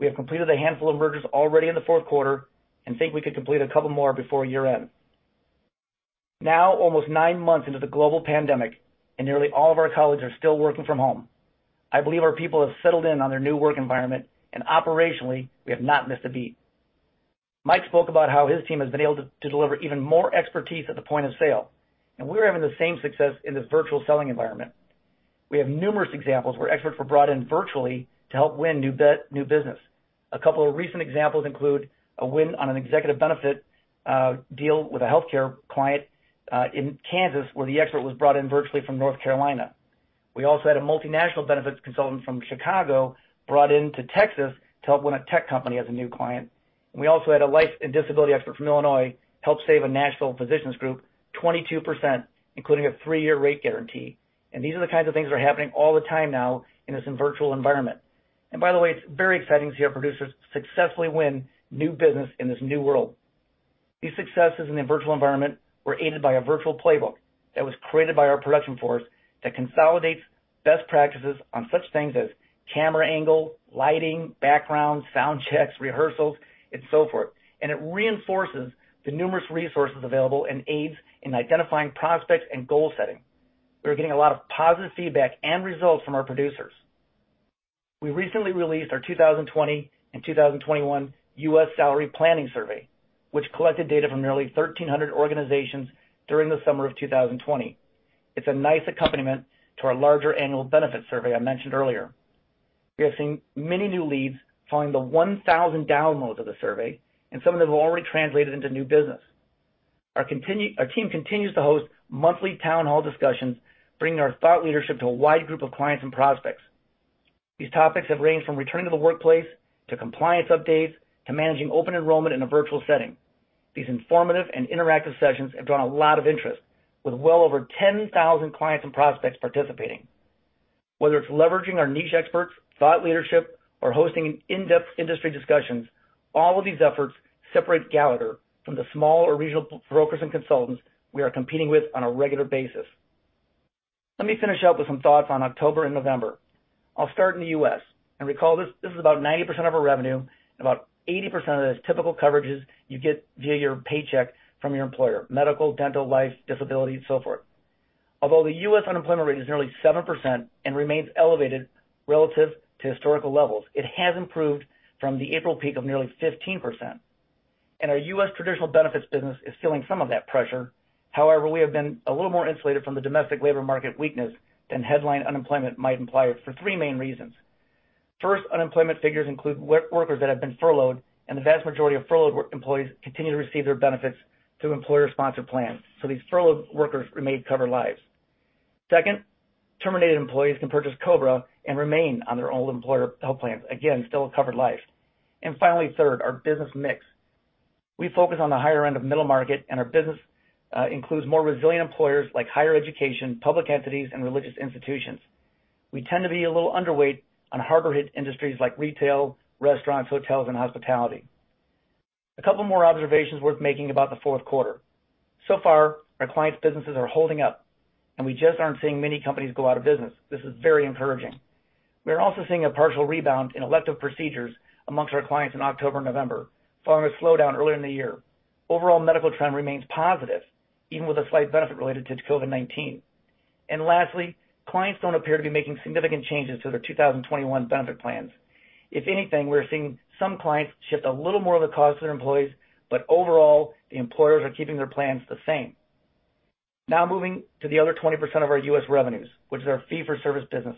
We have completed a handful of mergers already in the fourth quarter and think we could complete a couple more before year-end. Now, almost nine months into the global pandemic, and nearly all of our colleagues are still working from home. I believe our people have settled in on their new work environment, and operationally, we have not missed a beat. Mike spoke about how his team has been able to deliver even more expertise at the point of sale, and we're having the same success in the virtual selling environment. We have numerous examples where experts were brought in virtually to help win new business. A couple of recent examples include a win on an executive benefit deal with a healthcare client in Kansas where the expert was brought in virtually from North Carolina. We also had a multinational benefits consultant from Chicago brought into Texas to help win a tech company as a new client. We also had a life and disability expert from Illinois help save a national physicians group 22%, including a three-year rate guarantee. These are the kinds of things that are happening all the time now in this virtual environment. By the way, it's very exciting to see our producers successfully win new business in this new world. These successes in the virtual environment were aided by a virtual playbook that was created by our production force that consolidates best practices on such things as camera angle, lighting, backgrounds, sound checks, rehearsals, and so forth. It reinforces the numerous resources available and aids in identifying prospects and goal setting. We're getting a lot of positive feedback and results from our producers. We recently released our 2020 and 2021 U.S. salary planning survey, which collected data from nearly 1,300 organizations during the summer of 2020. It's a nice accompaniment to our larger annual benefit survey I mentioned earlier. We have seen many new leads following the 1,000 downloads of the survey, and some of them have already translated into new business. Our team continues to host monthly town hall discussions, bringing our thought leadership to a wide group of clients and prospects. These topics have ranged from returning to the workplace to compliance updates to managing open enrollment in a virtual setting. These informative and interactive sessions have drawn a lot of interest, with well over 10,000 clients and prospects participating. Whether it's leveraging our niche experts, thought leadership, or hosting in-depth industry discussions, all of these efforts separate Gallagher from the small or regional brokers and consultants we are competing with on a regular basis. Let me finish up with some thoughts on October and November. I'll start in the U.S. Recall this is about 90% of our revenue and about 80% of the typical coverages you get via your paycheck from your employer: medical, dental, life, disability, and so forth. Although the U.S. unemployment rate is nearly 7% and remains elevated relative to historical levels, it has improved from the April peak of nearly 15%. Our U.S. Traditional benefits business is feeling some of that pressure. However, we have been a little more insulated from the domestic labor market weakness than headline unemployment might imply for three main reasons. First, unemployment figures include workers that have been furloughed, and the vast majority of furloughed employees continue to receive their benefits through employer-sponsored plans. These furloughed workers remain covered lives. Second, terminated employees can purchase COBRA and remain on their old employer health plans. Again, still a covered life. Finally, third, our business mix. We focus on the higher end of middle market, and our business includes more resilient employers like higher education, public entities, and religious institutions. We tend to be a little underweight on harder-hit industries like retail, restaurants, hotels, and hospitality. A couple more observations worth making about the fourth quarter. So far, our clients' businesses are holding up, and we just aren't seeing many companies go out of business. This is very encouraging. We are also seeing a partial rebound in elective procedures amongst our clients in October and November, following a slowdown earlier in the year. Overall, the medical trend remains positive, even with a slight benefit related to COVID-19. Lastly, clients don't appear to be making significant changes to their 2021 benefit plans. If anything, we're seeing some clients shift a little more of the cost to their employees, but overall, the employers are keeping their plans the same. Now, moving to the other 20% of our U.S. revenues, which is our fee-for-service business.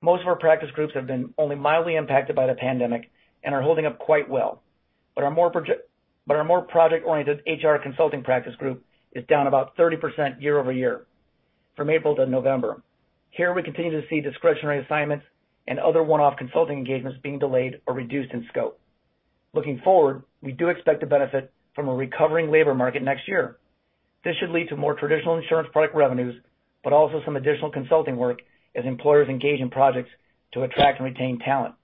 Most of our practice groups have been only mildly impacted by the pandemic and are holding up quite well. Our more project-oriented HR consulting practice group is down about 30% year-over-year from April to November. Here, we continue to see discretionary assignments and other one-off consulting engagements being delayed or reduced in scope. Looking forward, we do expect to benefit from a recovering labor market next year. This should lead to more traditional insurance product revenues, but also some additional consulting work as employers engage in projects to attract and retain talent.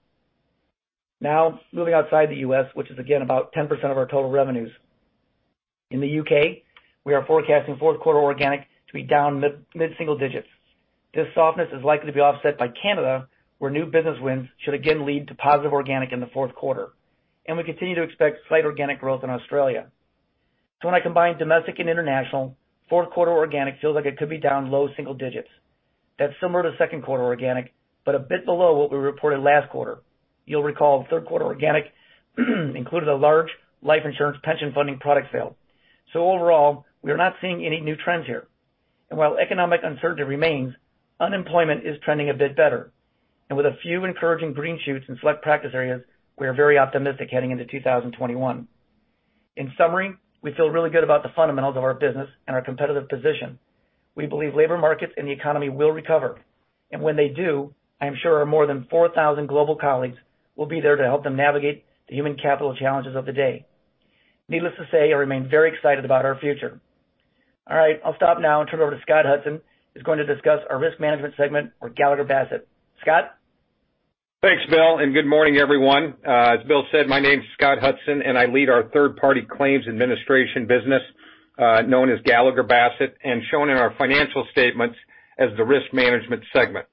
Now, moving outside the U.S., which is again about 10% of our total revenues. In the U.K., we are forecasting fourth quarter organic to be down mid-single digits. This softness is likely to be offset by Canada, where new business wins should again lead to positive organic in the fourth quarter. We continue to expect slight organic growth in Australia. When I combine domestic and international, fourth quarter organic feels like it could be down low single digits. That is similar to second quarter organic, but a bit below what we reported last quarter. You will recall third quarter organic included a large life insurance pension funding product sale. Overall, we are not seeing any new trends here. While economic uncertainty remains, unemployment is trending a bit better. With a few encouraging green shoots in select practice areas, we are very optimistic heading into 2021. In summary, we feel really good about the fundamentals of our business and our competitive position. We believe labor markets and the economy will recover. When they do, I am sure more than 4,000 global colleagues will be there to help them navigate the human capital challenges of the day. Needless to say, I remain very excited about our future. All right, I'll stop now and turn it over to Scott Hudson, who's going to discuss our risk management segment, or Gallagher Bassett. Scott? Thanks, Bill. Good morning, everyone. As Bill said, my name is Scott Hudson, and I lead our third-party claims administration business known as Gallagher Bassett and shown in our financial statements as the risk management segment.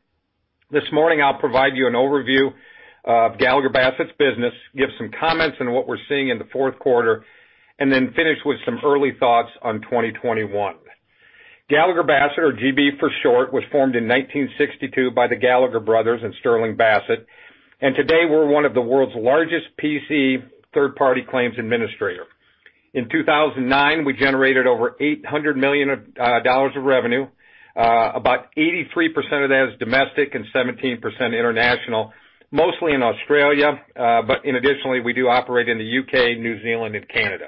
This morning, I'll provide you an overview of Gallagher Bassett's business, give some comments on what we're seeing in the fourth quarter, and finish with some early thoughts on 2021. Gallagher Bassett, or GB for short, was formed in 1962 by the Gallagher brothers and Sterling Bassett. Today, we're one of the world's largest PC third-party claims administrators. In 2009, we generated over $800 million of revenue, about 83% of that is domestic and 17% international, mostly in Australia. Additionally, we do operate in the U.K., New Zealand, and Canada.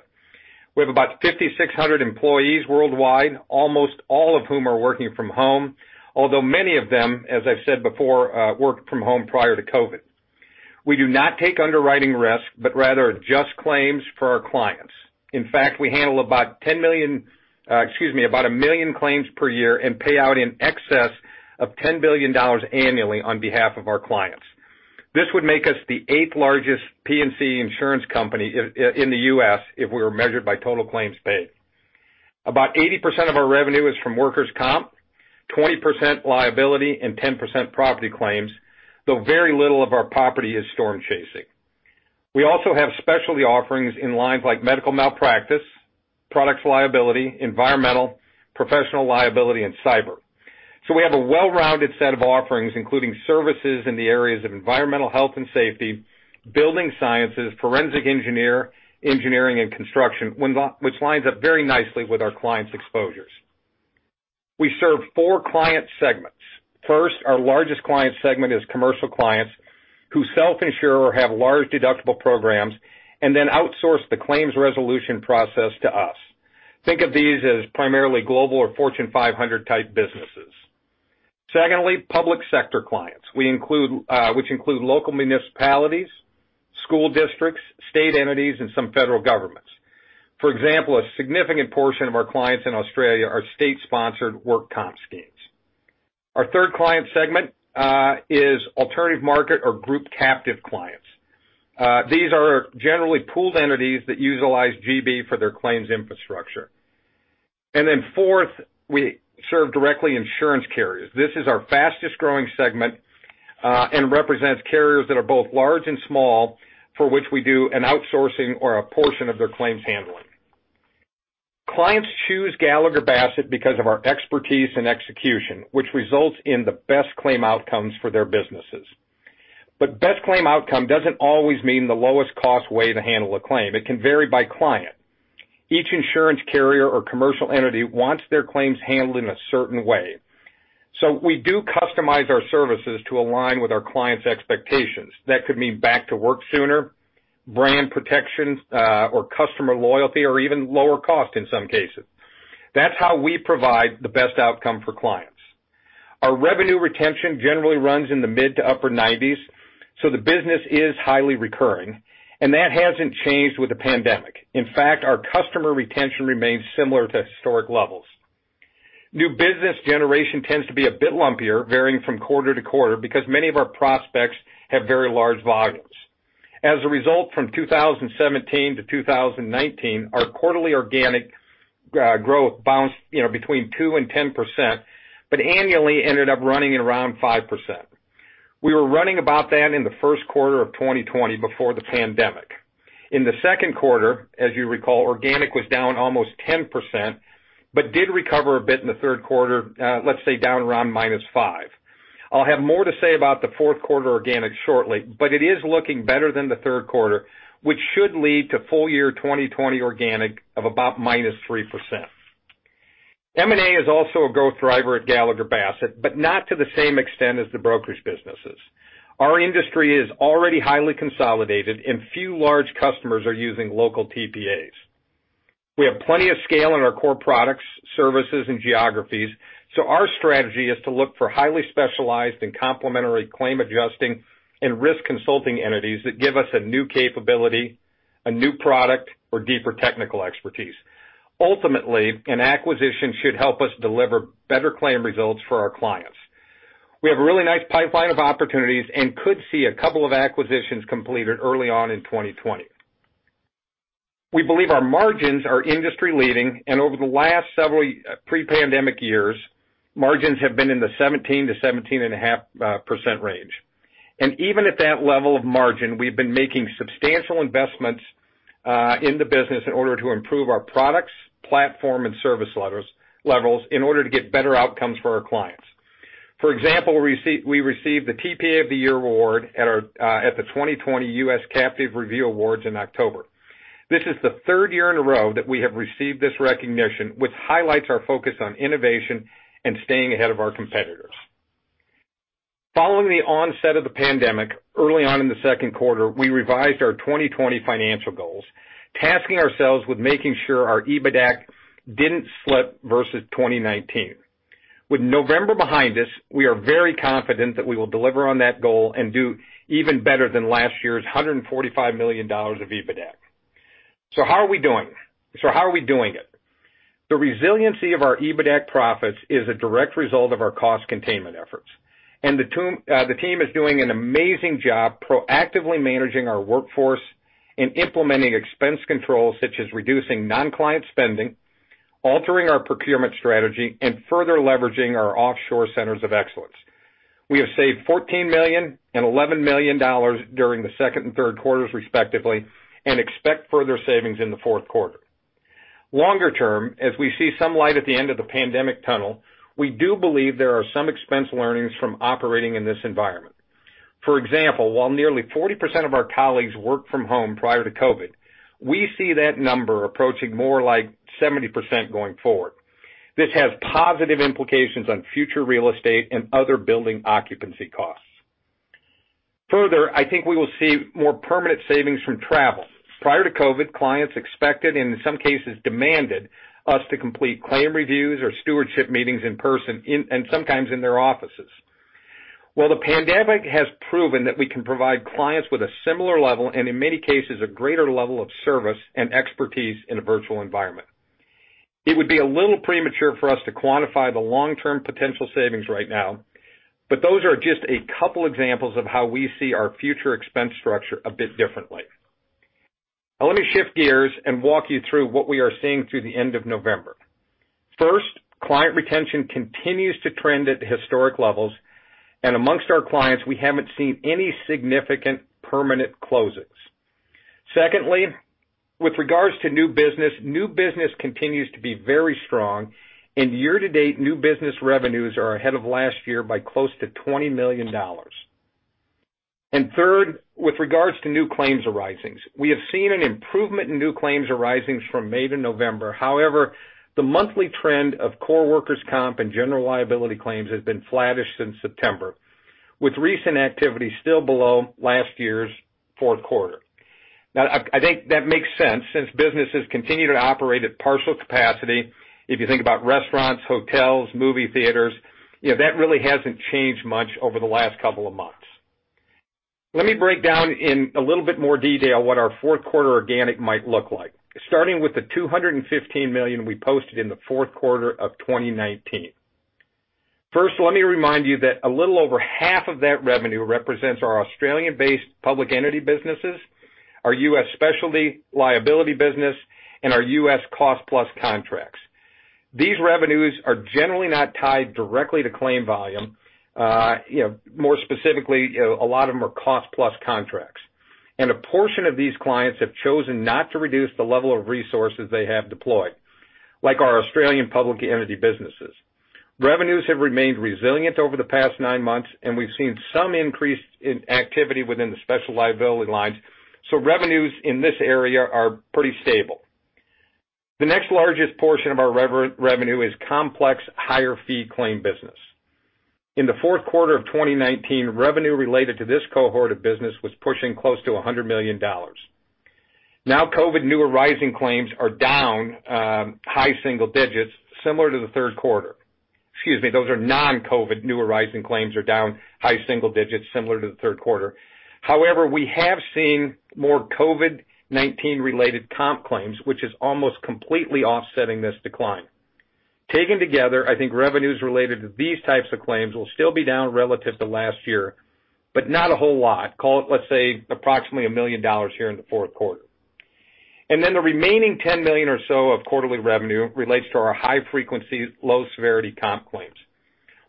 We have about 5,600 employees worldwide, almost all of whom are working from home, although many of them, as I've said before, worked from home prior to COVID. We do not take underwriting risk, but rather adjust claims for our clients. In fact, we handle about 10 million—excuse me—about a million claims per year and pay out in excess of $10 billion annually on behalf of our clients. This would make us the eighth-largest P&C insurance company in the U.S. if we were measured by total claims paid. About 80% of our revenue is from workers' comp, 20% liability, and 10% property claims, though very little of our property is storm chasing. We also have specialty offerings in lines like medical malpractice, products liability, environmental, professional liability, and cyber. We have a well-rounded set of offerings, including services in the areas of environmental health and safety, building sciences, forensic engineering, engineering, and construction, which lines up very nicely with our clients' exposures. We serve four client segments. First, our largest client segment is commercial clients who self-insure or have large deductible programs and then outsource the claims resolution process to us. Think of these as primarily global or Fortune 500-type businesses. Secondly, public sector clients, which include local municipalities, school districts, state entities, and some federal governments. For example, a significant portion of our clients in Australia are state-sponsored work comp schemes. Our third client segment is alternative market or group captive clients. These are generally pooled entities that utilize GB for their claims infrastructure. Fourth, we serve directly insurance carriers. This is our fastest-growing segment and represents carriers that are both large and small, for which we do an outsourcing or a portion of their claims handling. Clients choose Gallagher Bassett because of our expertise and execution, which results in the best claim outcomes for their businesses. Best claim outcome does not always mean the lowest-cost way to handle a claim. It can vary by client. Each insurance carrier or commercial entity wants their claims handled in a certain way. We do customize our services to align with our clients' expectations. That could mean back to work sooner, brand protection or customer loyalty, or even lower cost in some cases. That is how we provide the best outcome for clients. Our revenue retention generally runs in the mid to upper 90%, so the business is highly recurring, and that has not changed with the pandemic. In fact, our customer retention remains similar to historic levels. New business generation tends to be a bit lumpier, varying from quarter to quarter because many of our prospects have very large volumes. As a result, from 2017 to 2019, our quarterly organic growth bounced between 2% and 10%, but annually ended up running at around 5%. We were running about that in the first quarter of 2020 before the pandemic. In the second quarter, as you recall, organic was down almost 10% but did recover a bit in the third quarter, let's say down around minus 5%. I'll have more to say about the fourth quarter organic shortly, but it is looking better than the third quarter, which should lead to full year 2020 organic of about minus 3%. M&A is also a growth driver at Gallagher Bassett, but not to the same extent as the brokerage businesses. Our industry is already highly consolidated, and few large customers are using local TPAs. We have plenty of scale in our core products, services, and geographies, so our strategy is to look for highly specialized and complementary claim adjusting and risk consulting entities that give us a new capability, a new product, or deeper technical expertise. Ultimately, an acquisition should help us deliver better claim results for our clients. We have a really nice pipeline of opportunities and could see a couple of acquisitions completed early on in 2020. We believe our margins are industry-leading, and over the last several pre-pandemic years, margins have been in the 17%-17.5% range. Even at that level of margin, we've been making substantial investments in the business in order to improve our products, platform, and service levels in order to get better outcomes for our clients. For example, we received the TPA of the Year award at the 2020 U.S. Captive Review Awards in October. This is the third year in a row that we have received this recognition, which highlights our focus on innovation and staying ahead of our competitors. Following the onset of the pandemic, early on in the second quarter, we revised our 2020 financial goals, tasking ourselves with making sure our EBITDA didn't slip versus 2019. With November behind us, we are very confident that we will deliver on that goal and do even better than last year's $145 million of EBITDA. How are we doing? How are we doing it? The resiliency of our EBITDA profits is a direct result of our cost containment efforts. The team is doing an amazing job proactively managing our workforce and implementing expense controls such as reducing non-client spending, altering our procurement strategy, and further leveraging our offshore centers of excellence. We have saved $14 million and $11 million during the second and third quarters, respectively, and expect further savings in the fourth quarter. Longer term, as we see some light at the end of the pandemic tunnel, we do believe there are some expense learnings from operating in this environment. For example, while nearly 40% of our colleagues worked from home prior to COVID-19, we see that number approaching more like 70% going forward. This has positive implications on future real estate and other building occupancy costs. Further, I think we will see more permanent savings from travel. Prior to COVID-19, clients expected, and in some cases, demanded us to complete claim reviews or stewardship meetings in person and sometimes in their offices. The pandemic has proven that we can provide clients with a similar level and, in many cases, a greater level of service and expertise in a virtual environment. It would be a little premature for us to quantify the long-term potential savings right now, but those are just a couple of examples of how we see our future expense structure a bit differently. Let me shift gears and walk you through what we are seeing through the end of November. First, client retention continues to trend at historic levels, and amongst our clients, we haven't seen any significant permanent closings. Secondly, with regards to new business, new business continues to be very strong, and year-to-date new business revenues are ahead of last year by close to $20 million. Third, with regards to new claims arisings, we have seen an improvement in new claims arisings from May to November. However, the monthly trend of core workers' comp and general liability claims has been flattish since September, with recent activity still below last year's fourth quarter. I think that makes sense since businesses continue to operate at partial capacity. If you think about restaurants, hotels, movie theaters, that really hasn't changed much over the last couple of months. Let me break down in a little bit more detail what our fourth quarter organic might look like, starting with the $215 million we posted in the fourth quarter of 2019. First, let me remind you that a little over half of that revenue represents our Australian-based public entity businesses, our U.S. specialty liability business, and our U.S. cost-plus contracts. These revenues are generally not tied directly to claim volume. More specifically, a lot of them are cost-plus contracts. A portion of these clients have chosen not to reduce the level of resources they have deployed, like our Australian public entity businesses. Revenues have remained resilient over the past nine months, and we've seen some increase in activity within the specialty liability lines, so revenues in this area are pretty stable. The next largest portion of our revenue is complex higher-fee claim business. In the fourth quarter of 2019, revenue related to this cohort of business was pushing close to $100 million. Now, COVID new arising claims are down high single digits, similar to the third quarter. Excuse me. Those are non-COVID new arising claims are down high single digits, similar to the third quarter. However, we have seen more COVID-19-related comp claims, which is almost completely offsetting this decline. Taken together, I think revenues related to these types of claims will still be down relative to last year, but not a whole lot. Call it, let's say, approximately $1 million here in the fourth quarter. The remaining $10 million or so of quarterly revenue relates to our high-frequency, low-severity comp claims.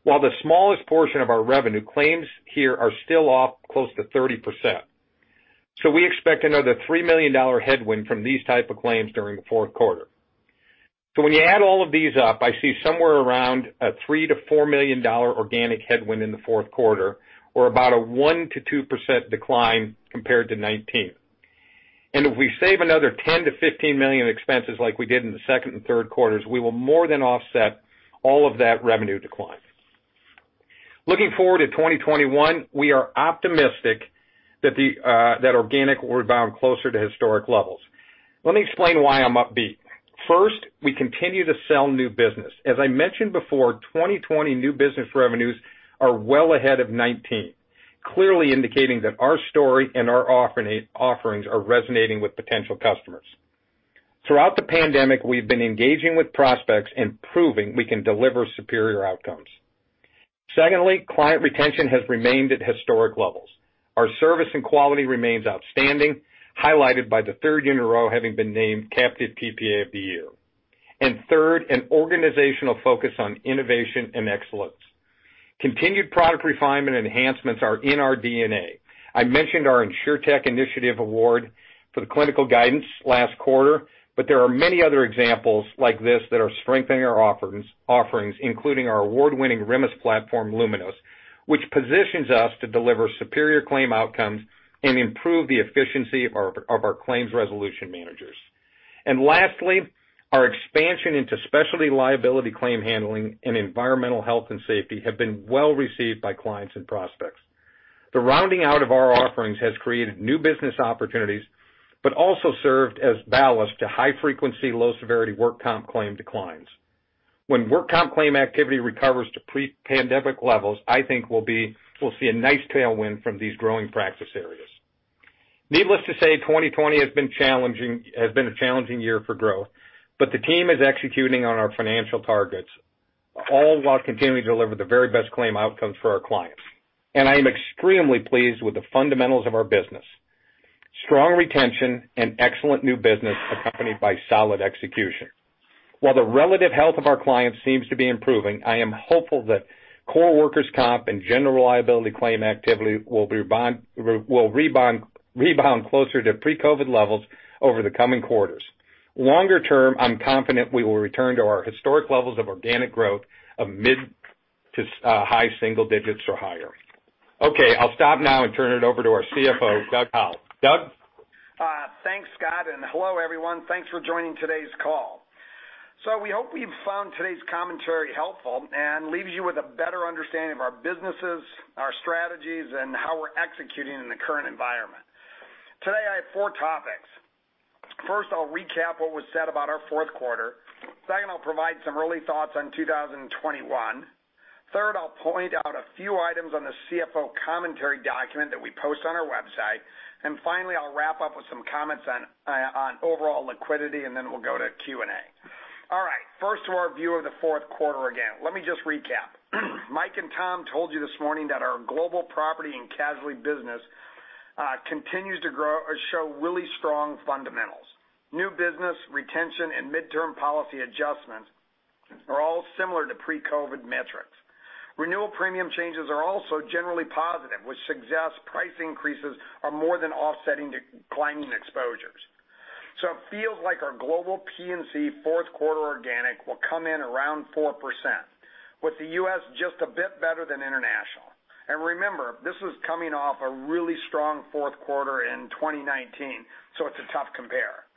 While the smallest portion of our revenue, claims here are still off close to 30%. We expect another $3 million headwind from these types of claims during the fourth quarter. When you add all of these up, I see somewhere around a $3 million-$4 million organic headwind in the fourth quarter, or about a 1%-2% decline compared to 2019. If we save another $10 million-$15 million expenses like we did in the second and third quarters, we will more than offset all of that revenue decline. Looking forward to 2021, we are optimistic that organic will rebound closer to historic levels. Let me explain why I'm upbeat. First, we continue to sell new business. As I mentioned before, 2020 new business revenues are well ahead of 2019, clearly indicating that our story and our offerings are resonating with potential customers. Throughout the pandemic, we've been engaging with prospects and proving we can deliver superior outcomes. Secondly, client retention has remained at historic levels. Our service and quality remains outstanding, highlighted by the third year in a row having been named Captive TPA of the Year. Third, an organizational focus on innovation and excellence. Continued product refinement enhancements are in our DNA. I mentioned our InsurTech Initiative Award for the clinical guidance last quarter, but there are many other examples like this that are strengthening our offerings, including our award-winning RMIS platform, Luminos, which positions us to deliver superior claim outcomes and improve the efficiency of our claims resolution managers. Lastly, our expansion into specialty liability claim handling and environmental health and safety have been well received by clients and prospects. The rounding out of our offerings has created new business opportunities but also served as a balance to high-frequency, low-severity work comp claim declines. When work comp claim activity recovers to pre-pandemic levels, I think we'll see a nice tailwind from these growing practice areas. Needless to say, 2020 has been a challenging year for growth, but the team is executing on our financial targets, all while continuing to deliver the very best claim outcomes for our clients. I am extremely pleased with the fundamentals of our business: strong retention and excellent new business accompanied by solid execution. While the relative health of our clients seems to be improving, I am hopeful that core workers' comp and general liability claim activity will rebound closer to pre-COVID levels over the coming quarters. Longer term, I'm confident we will return to our historic levels of organic growth of mid to high single digits or higher. Okay. I'll stop now and turn it over to our CFO, Doug Howell. Doug? Thanks, Scott. Hello, everyone. Thanks for joining today's call. We hope we've found today's commentary helpful and leaves you with a better understanding of our businesses, our strategies, and how we're executing in the current environment. Today, I have four topics. First, I'll recap what was said about our fourth quarter. Second, I'll provide some early thoughts on 2021. Third, I'll point out a few items on the CFO commentary document that we post on our website. Finally, I'll wrap up with some comments on overall liquidity, and then we'll go to Q&A. All right. First, our view of the fourth quarter again. Let me just recap. Mike and Tom told you this morning that our global property and casualty business continues to show really strong fundamentals. New business, retention, and midterm policy adjustments are all similar to pre-COVID metrics. Renewal premium changes are also generally positive, which suggests price increases are more than offsetting declining exposures. It feels like our global P&C fourth quarter organic will come in around 4%, with the U.S. just a bit better than international. Remember, this is coming off a really strong fourth quarter in 2019, so it's a tough compare.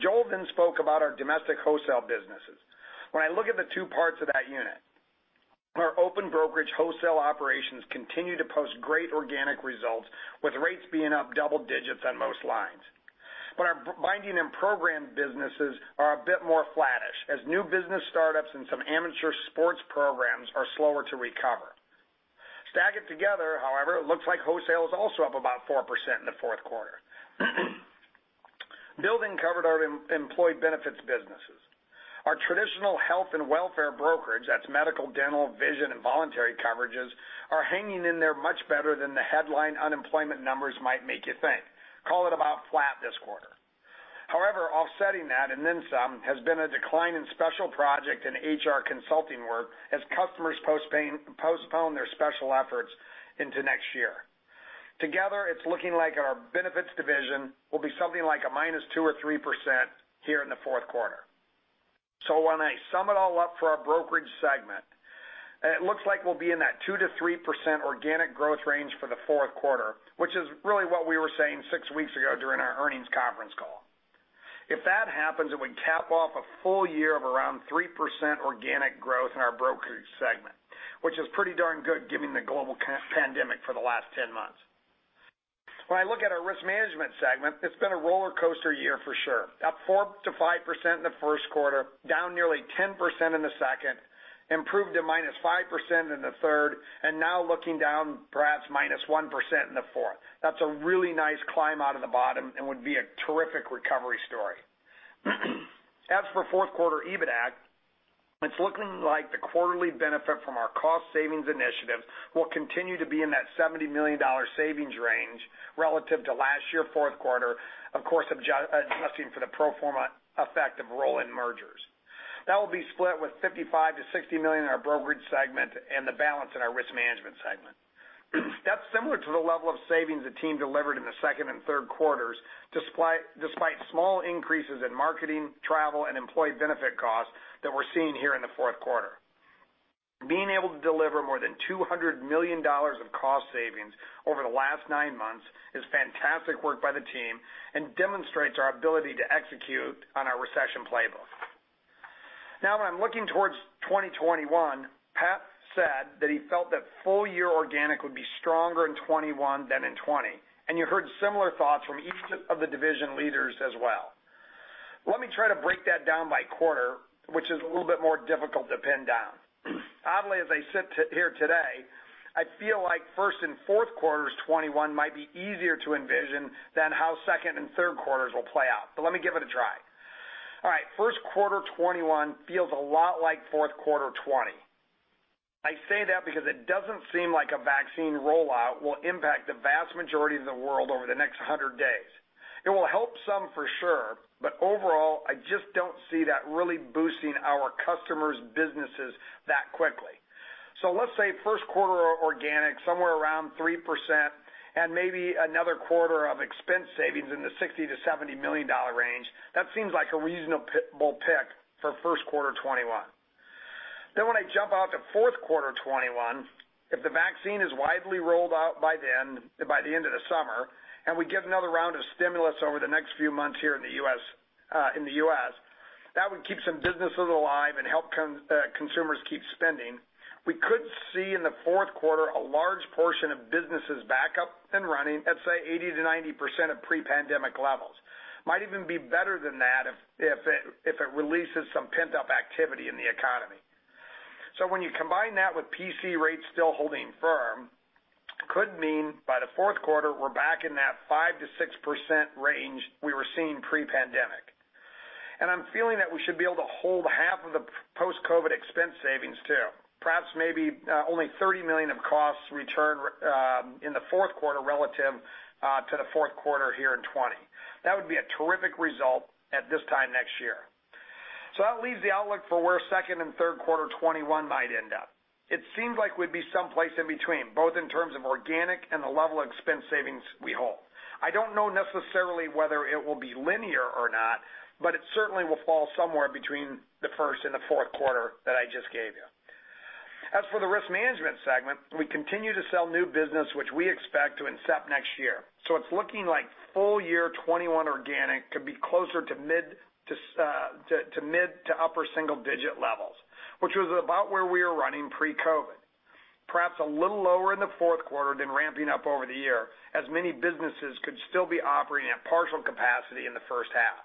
Joel then spoke about our domestic wholesale businesses. When I look at the two parts of that unit, our open brokerage wholesale operations continue to post great organic results, with rates being up double digits on most lines. Our binding and program businesses are a bit more flattish, as new business startups and some amateur sports programs are slower to recover. Stack it together, however, it looks like wholesale is also up about 4% in the fourth quarter. Building covered employee benefits businesses. Our traditional health and welfare brokerage—that is, medical, dental, vision, and voluntary coverages—are hanging in there much better than the headline unemployment numbers might make you think. Call it about flat this quarter. However, offsetting that, and then some, has been a decline in special project and HR consulting work as customers postpone their special efforts into next year. Together, it's looking like our benefits division will be something like a -2% or -3% here in the fourth quarter. When I sum it all up for our brokerage segment, it looks like we'll be in that 2%-3% organic growth range for the fourth quarter, which is really what we were saying six weeks ago during our earnings conference call. If that happens, it would cap off a full year of around 3% organic growth in our brokerage segment, which is pretty darn good given the global pandemic for the last 10 months. When I look at our risk management segment, it's been a roller coaster year for sure: up 4%-5% in the first quarter, down nearly 10% in the second, improved to -5% in the third, and now looking down perhaps -1% in the fourth. That's a really nice climb out of the bottom and would be a terrific recovery story. As for fourth quarter EBITDA, it's looking like the quarterly benefit from our cost savings initiatives will continue to be in that $70 million savings range relative to last year's fourth quarter, of course, adjusting for the pro forma effect of rolling mergers. That will be split with $55 million-$60 million in our brokerage segment and the balance in our risk management segment. That's similar to the level of savings the team delivered in the second and third quarters, despite small increases in marketing, travel, and employee benefit costs that we're seeing here in the fourth quarter. Being able to deliver more than $200 million of cost savings over the last nine months is fantastic work by the team and demonstrates our ability to execute on our recession playbook. Now, when I'm looking towards 2021, Pep said that he felt that full-year organic would be stronger in 2021 than in 2020. You heard similar thoughts from each of the division leaders as well. Let me try to break that down by quarter, which is a little bit more difficult to pin down. Oddly, as I sit here today, I feel like first and fourth quarters 2021 might be easier to envision than how second and third quarters will play out. Let me give it a try. All right. First quarter 2021 feels a lot like fourth quarter 2020. I say that because it doesn't seem like a vaccine rollout will impact the vast majority of the world over the next 100 days. It will help some for sure, but overall, I just don't see that really boosting our customers' businesses that quickly. Let's say first quarter organic, somewhere around 3%, and maybe another quarter of expense savings in the $60 million-$70 million range. That seems like a reasonable pick for first quarter 2021. When I jump out to fourth quarter 2021, if the vaccine is widely rolled out by the end of the summer and we get another round of stimulus over the next few months here in the U.S., that would keep some businesses alive and help consumers keep spending. We could see in the fourth quarter a large portion of businesses back up and running at, say, 80%-90% of pre-pandemic levels. Might even be better than that if it releases some pent-up activity in the economy. When you combine that with PC rates still holding firm, it could mean by the fourth quarter we are back in that 5%-6% range we were seeing pre-pandemic. I am feeling that we should be able to hold half of the post-COVID expense savings too. Perhaps maybe only $30 million of costs return in the fourth quarter relative to the fourth quarter here in 2020. That would be a terrific result at this time next year. That leaves the outlook for where second and third quarter 2021 might end up. It seems like we would be someplace in between, both in terms of organic and the level of expense savings we hold. I do not know necessarily whether it will be linear or not, but it certainly will fall somewhere between the first and the fourth quarter that I just gave you. As for the risk management segment, we continue to sell new business, which we expect to incept next year. It is looking like full-year 2021 organic could be closer to mid to upper single digit levels, which was about where we were running pre-COVID. Perhaps a little lower in the fourth quarter than ramping up over the year, as many businesses could still be operating at partial capacity in the first half.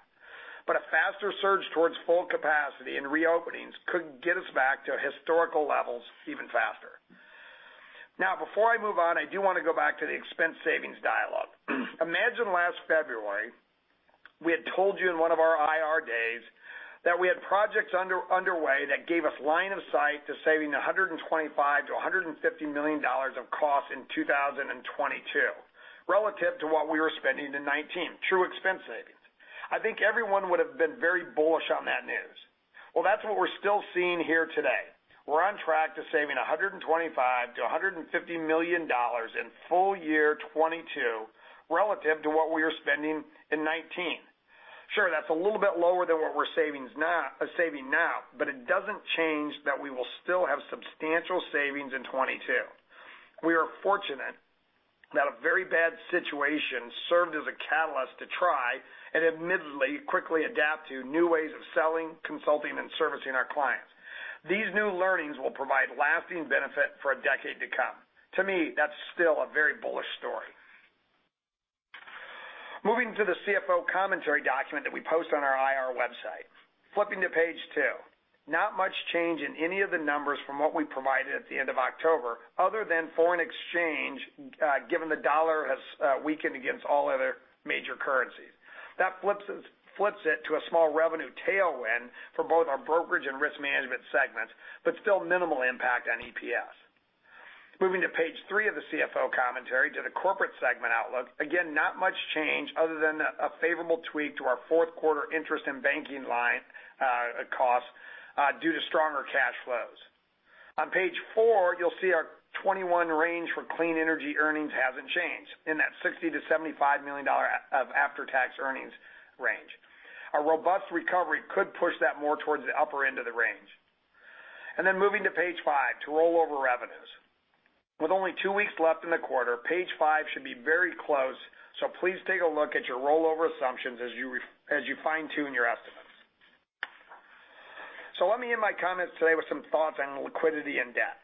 A faster surge towards full capacity and reopenings could get us back to historical levels even faster. Now, before I move on, I do want to go back to the expense savings dialogue. Imagine last February we had told you in one of our IR days that we had projects underway that gave us line of sight to saving $125 million-$150 million of costs in 2022 relative to what we were spending in 2019, true expense savings. I think everyone would have been very bullish on that news. That is what we are still seeing here today. We are on track to saving $125 million-$150 million in full-year 2022 relative to what we were spending in 2019. Sure, that is a little bit lower than what we are saving now, but it does not change that we will still have substantial savings in 2022. We are fortunate that a very bad situation served as a catalyst to try and admittedly quickly adapt to new ways of selling, consulting, and servicing our clients. These new learnings will provide lasting benefit for a decade to come. To me, that's still a very bullish story. Moving to the CFO commentary document that we post on our IR website. Flipping to page two, not much change in any of the numbers from what we provided at the end of October other than foreign exchange, given the dollar has weakened against all other major currencies. That flips it to a small revenue tailwind for both our brokerage and risk management segments, but still minimal impact on EPS. Moving to page three of the CFO commentary to the corporate segment outlook. Again, not much change other than a favorable tweak to our fourth quarter interest and banking line costs due to stronger cash flows. On page four, you'll see our 2021 range for clean energy earnings hasn't changed in that $60 million-$75 million of after-tax earnings range. A robust recovery could push that more towards the upper end of the range. Moving to page five to rollover revenues. With only two weeks left in the quarter, page five should be very close, so please take a look at your rollover assumptions as you fine-tune your estimates. Let me end my comments today with some thoughts on liquidity and debt.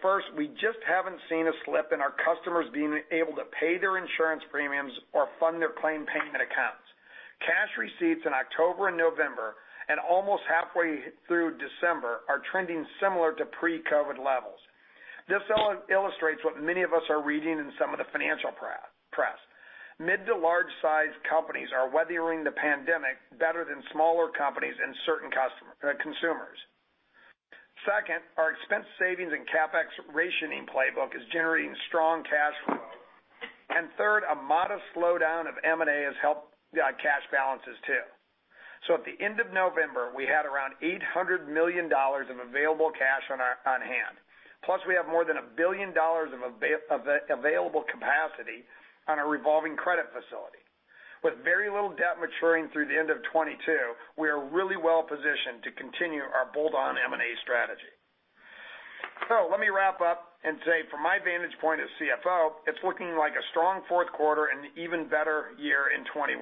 First, we just haven't seen a slip in our customers being able to pay their insurance premiums or fund their claim payment accounts. Cash receipts in October and November and almost halfway through December are trending similar to pre-COVID levels. This illustrates what many of us are reading in some of the financial press. Mid to large-sized companies are weathering the pandemic better than smaller companies and certain consumers. Second, our expense savings and CapEx rationing playbook is generating strong cash flow. Third, a modest slowdown of M&A has helped cash balances too. At the end of November, we had around $800 million of available cash on hand. Plus, we have more than $1 billion of available capacity on our revolving credit facility. With very little debt maturing through the end of 2022, we are really well positioned to continue our bolt-on M&A strategy. Let me wrap up and say, from my vantage point as CFO, it's looking like a strong fourth quarter and an even better year in 2021.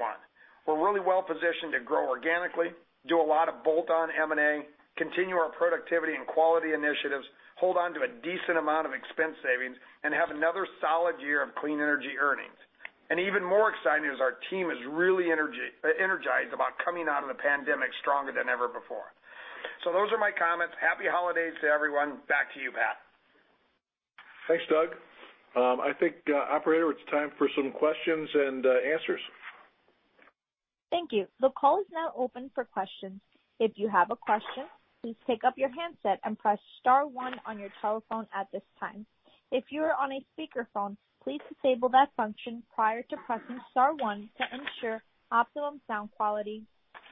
We're really well positioned to grow organically, do a lot of bolt-on M&A, continue our productivity and quality initiatives, hold on to a decent amount of expense savings, and have another solid year of clean energy earnings. Even more exciting is our team is really energized about coming out of the pandemic stronger than ever before. Those are my comments. Happy holidays to everyone. Back to you, Pat. Thanks, Doug. I think, Operator, it's time for some questions and answers. Thank you. The call is now open for questions. If you have a question, please pick up your handset and press star one on your telephone at this time. If you are on a speakerphone, please disable that function prior to pressing star one to ensure optimum sound quality.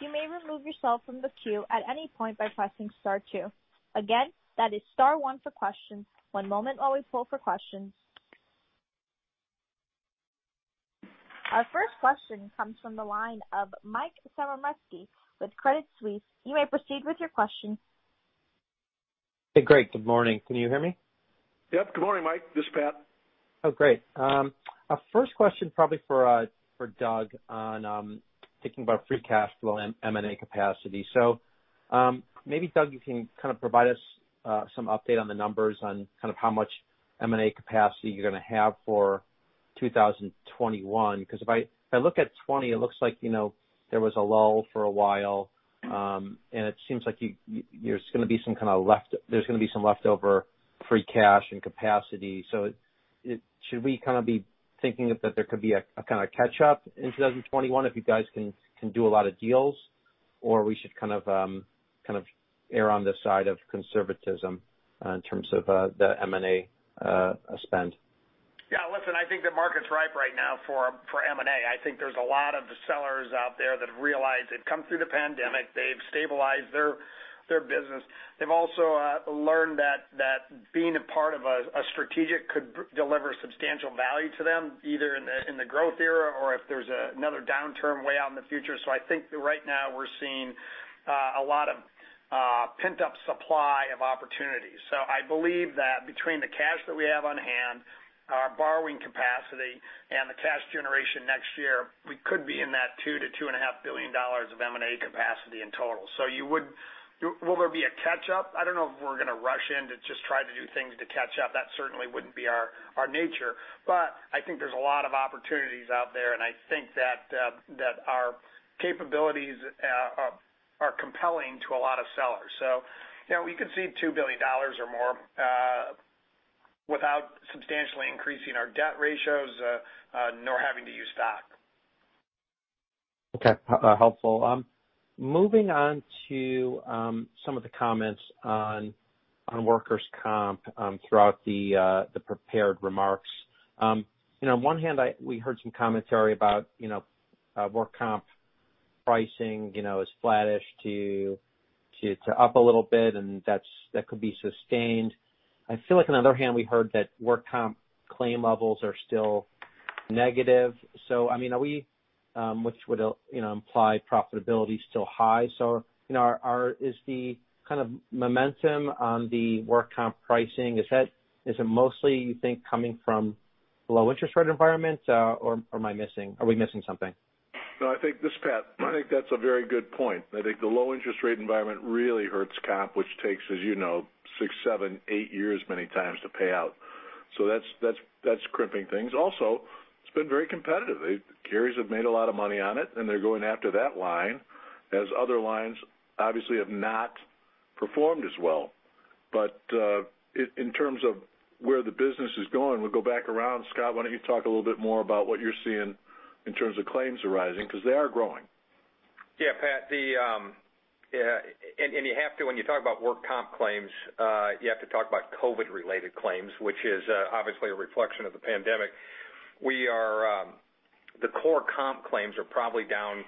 You may remove yourself from the queue at any point by pressing star two. Again, that is star one for questions. One moment while we pull for questions. Our first question comes from the line of Mike Zaremski with Credit Suisse. You may proceed with your question. Hey, great. Good morning. Can you hear me? Yep. Good morning, Mike. This is Pat. Oh, great. Our first question probably for Doug on thinking about free cash flow and M&A capacity. Maybe, Doug, you can kind of provide us some update on the numbers on kind of how much M&A capacity you're going to have for 2021. Because if I look at 2020, it looks like there was a lull for a while, and it seems like there's going to be some kind of leftover free cash and capacity. Should we kind of be thinking that there could be a kind of catch-up in 2021 if you guys can do a lot of deals, or should we kind of err on the side of conservatism in terms of the M&A spend? Yeah. Listen, I think the market's ripe right now for M&A. I think there's a lot of sellers out there that realize they've come through the pandemic. They've stabilized their business. They've also learned that being a part of a strategic could deliver substantial value to them, either in the growth era or if there's another downturn way out in the future. I think right now we're seeing a lot of pent-up supply of opportunities. I believe that between the cash that we have on hand, our borrowing capacity, and the cash generation next year, we could be in that $2 billion-$2.5 billion of M&A capacity in total. Will there be a catch-up? I don't know if we're going to rush in to just try to do things to catch up. That certainly wouldn't be our nature. I think there's a lot of opportunities out there, and I think that our capabilities are compelling to a lot of sellers. We could see $2 billion or more without substantially increasing our debt ratios nor having to use stock. Okay. Helpful. Moving on to some of the comments on workers' comp throughout the prepared remarks. On one hand, we heard some commentary about work comp pricing is flattish to up a little bit, and that could be sustained. I feel like, on the other hand, we heard that work comp claim levels are still negative. I mean, which would imply profitability is still high. Is the kind of momentum on the work comp pricing, is it mostly, you think, coming from a low-interest rate environment, or am I missing—are we missing something? No, I think this is Pat. I think that's a very good point. I think the low-interest rate environment really hurts comp, which takes, as you know, six, seven, eight years many times to pay out. That is crimping things. Also, it has been very competitive. Carriers have made a lot of money on it, and they are going after that line, as other lines obviously have not performed as well. In terms of where the business is going, we will go back around. Scott, why do you not talk a little bit more about what you are seeing in terms of claims arising because they are growing? Yeah, Pat. You have to—when you talk about work comp claims, you have to talk about COVID-related claims, which is obviously a reflection of the pandemic. The core comp claims are probably down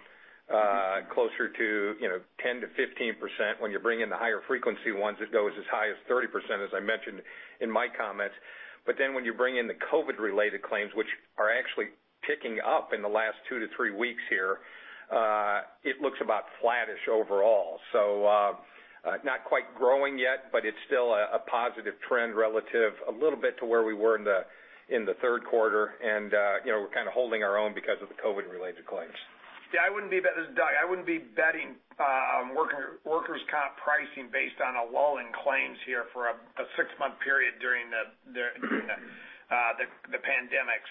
closer to 10%-15%. When you bring in the higher-frequency ones, it goes as high as 30%, as I mentioned in my comments. But then when you bring in the COVID-related claims, which are actually picking up in the last two to three weeks here, it looks about flattish overall. Not quite growing yet, but it's still a positive trend relative a little bit to where we were in the third quarter, and we're kind of holding our own because of the COVID-related claims. Yeah. I wouldn't be betting on workers' comp pricing based on a lull in claims here for a six-month period during the pandemic.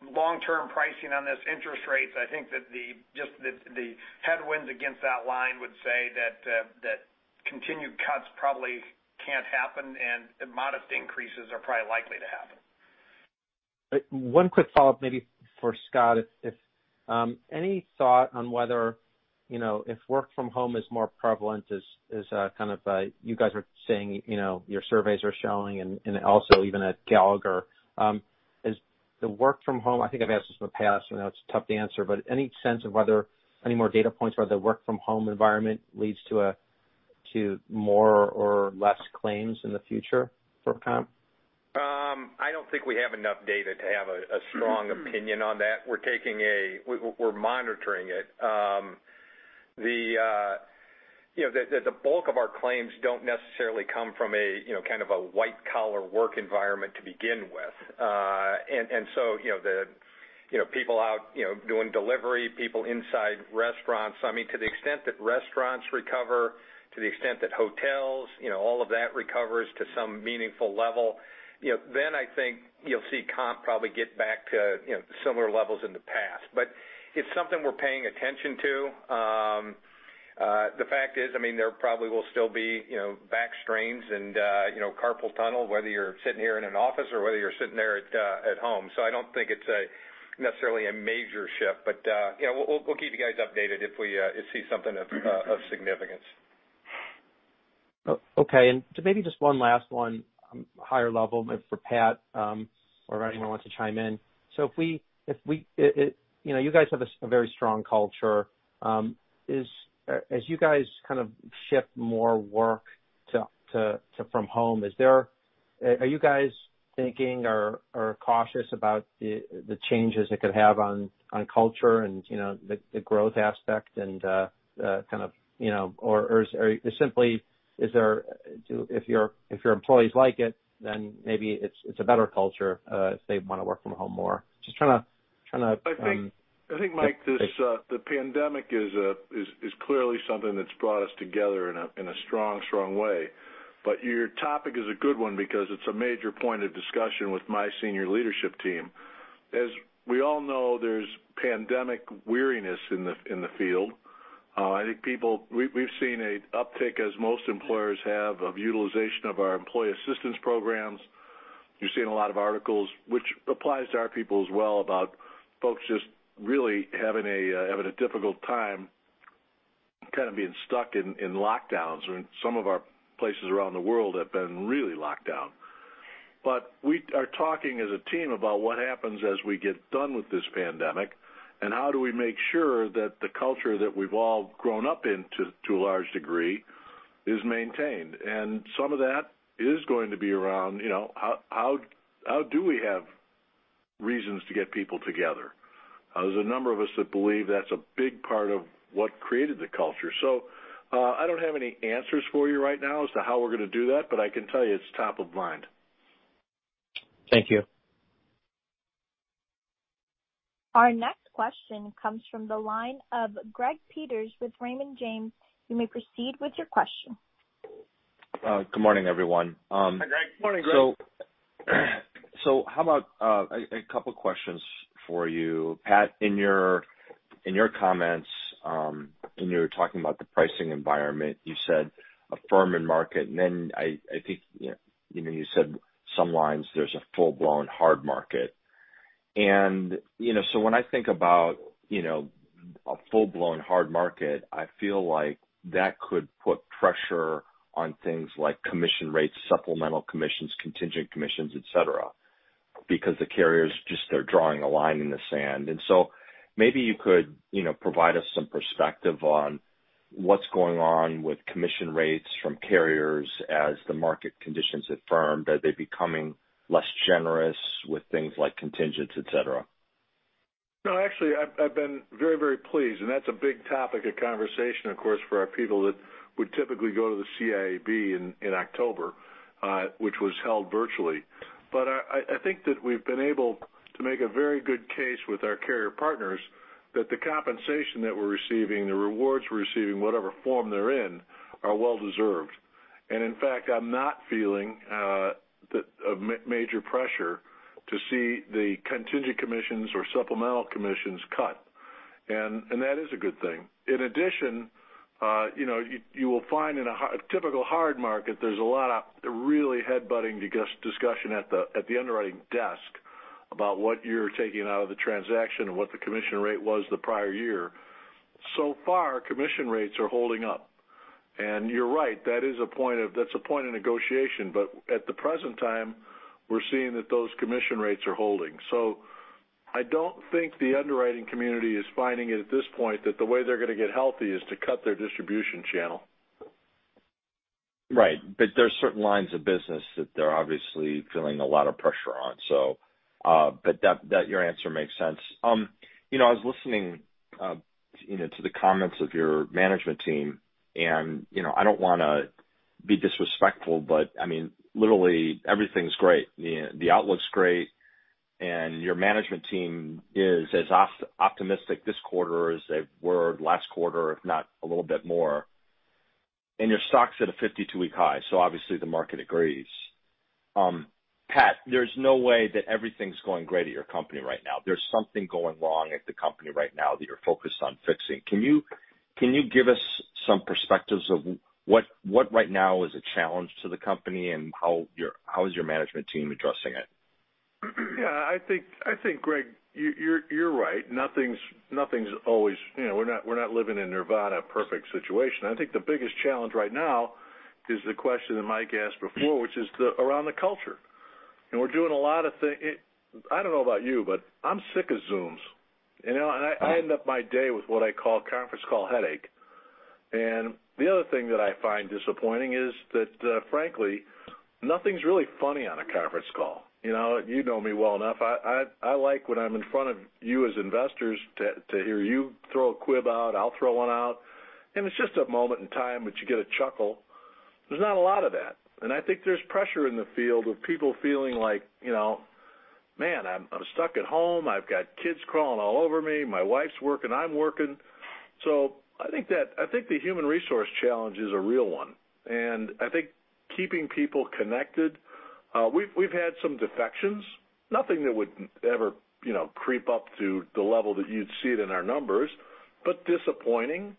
Long-term pricing on this interest rates, I think that just the headwinds against that line would say that continued cuts probably can't happen, and modest increases are probably likely to happen. One quick follow-up maybe for Scott. Any thought on whether if work from home is more prevalent is kind of you guys are saying your surveys are showing, and also even at Gallagher, is the work from home—I think I've asked this in the past. I know it's tough to answer, but any sense of whether any more data points where the work-from-home environment leads to more or less claims in the future for comp? I don't think we have enough data to have a strong opinion on that. We're taking a—we're monitoring it. The bulk of our claims don't necessarily come from a kind of a white-collar work environment to begin with. The people out doing delivery, people inside restaurants, I mean, to the extent that restaurants recover, to the extent that hotels, all of that recovers to some meaningful level, then I think you'll see comp probably get back to similar levels in the past. It is something we're paying attention to. The fact is, I mean, there probably will still be back strains and carpal tunnel, whether you're sitting here in an office or whether you're sitting there at home. I do not think it's necessarily a major shift, but we'll keep you guys updated if we see something of significance. Okay. Maybe just one last one on a higher level for Pat or if anyone wants to chime in. You guys have a very strong culture. As you guys kind of shift more work from home, are you guys thinking or cautious about the changes it could have on culture and the growth aspect and kind of—or is it simply if your employees like it, then maybe it's a better culture if they want to work from home more? Just trying to— I think, Mike, the pandemic is clearly something that's brought us together in a strong, strong way. Your topic is a good one because it's a major point of discussion with my senior leadership team. As we all know, there's pandemic weariness in the field. I think people—we've seen an uptick, as most employers have, of utilization of our employee assistance programs. You've seen a lot of articles, which applies to our people as well, about folks just really having a difficult time kind of being stuck in lockdowns, and some of our places around the world have been really locked down. We are talking as a team about what happens as we get done with this pandemic, and how do we make sure that the culture that we've all grown up in to a large degree is maintained. Some of that is going to be around how do we have reasons to get people together. There's a number of us that believe that's a big part of what created the culture. I don't have any answers for you right now as to how we're going to do that, but I can tell you it's top of mind. Thank you. Our next question comes from the line of Greg Peters with Raymond James. You may proceed with your question. Good morning, everyone. Hi, Greg. Good morning. How about a couple of questions for you? Pat, in your comments, when you were talking about the pricing environment, you said a firm and market, and then I think you said some lines there's a full-blown hard market. When I think about a full-blown hard market, I feel like that could put pressure on things like commission rates, supplemental commissions, contingent commissions, etc., because the carriers just are drawing a line in the sand. Maybe you could provide us some perspective on what's going on with commission rates from carriers as the market conditions have firmed. Are they becoming less generous with things like contingents, etc.? No, actually, I've been very, very pleased, and that's a big topic of conversation, of course, for our people that would typically go to the CIAB in October, which was held virtually. I think that we've been able to make a very good case with our carrier partners that the compensation that we're receiving, the rewards we're receiving, whatever form they're in, are well-deserved. In fact, I'm not feeling a major pressure to see the contingent commissions or supplemental commissions cut. That is a good thing. In addition, you will find in a typical hard market, there's a lot of really head-butting discussion at the underwriting desk about what you're taking out of the transaction and what the commission rate was the prior year. So far, commission rates are holding up. You're right. That's a point of negotiation. At the present time, we're seeing that those commission rates are holding. I don't think the underwriting community is finding it at this point that the way they're going to get healthy is to cut their distribution channel. There are certain lines of business that they're obviously feeling a lot of pressure on. Your answer makes sense. I was listening to the comments of your management team, and I don't want to be disrespectful, but I mean, literally, everything's great. The outlook's great, and your management team is as optimistic this quarter as they were last quarter, if not a little bit more. Your stock's at a 52-week high. Obviously, the market agrees. Pat, there's no way that everything's going great at your company right now. There's something going wrong at the company right now that you're focused on fixing. Can you give us some perspectives of what right now is a challenge to the company and how is your management team addressing it? Yeah. I think, Greg, you're right. Nothing's always—we're not living in Nirvana—perfect situation. I think the biggest challenge right now is the question that Mike asked before, which is around the culture. We're doing a lot of things. I don't know about you, but I'm sick of Zooms. I end up my day with what I call conference call headache. The other thing that I find disappointing is that, frankly, nothing's really funny on a conference call. You know me well enough. I like when I'm in front of you as investors to hear you throw a quib out. I'll throw one out. It's just a moment in time, but you get a chuckle. There's not a lot of that. I think there's pressure in the field of people feeling like, "Man, I'm stuck at home. I've got kids crawling all over me. My wife's working. I'm working." I think the human resource challenge is a real one. I think keeping people connected—we've had some defections. Nothing that would ever creep up to the level that you'd see it in our numbers, but disappointing.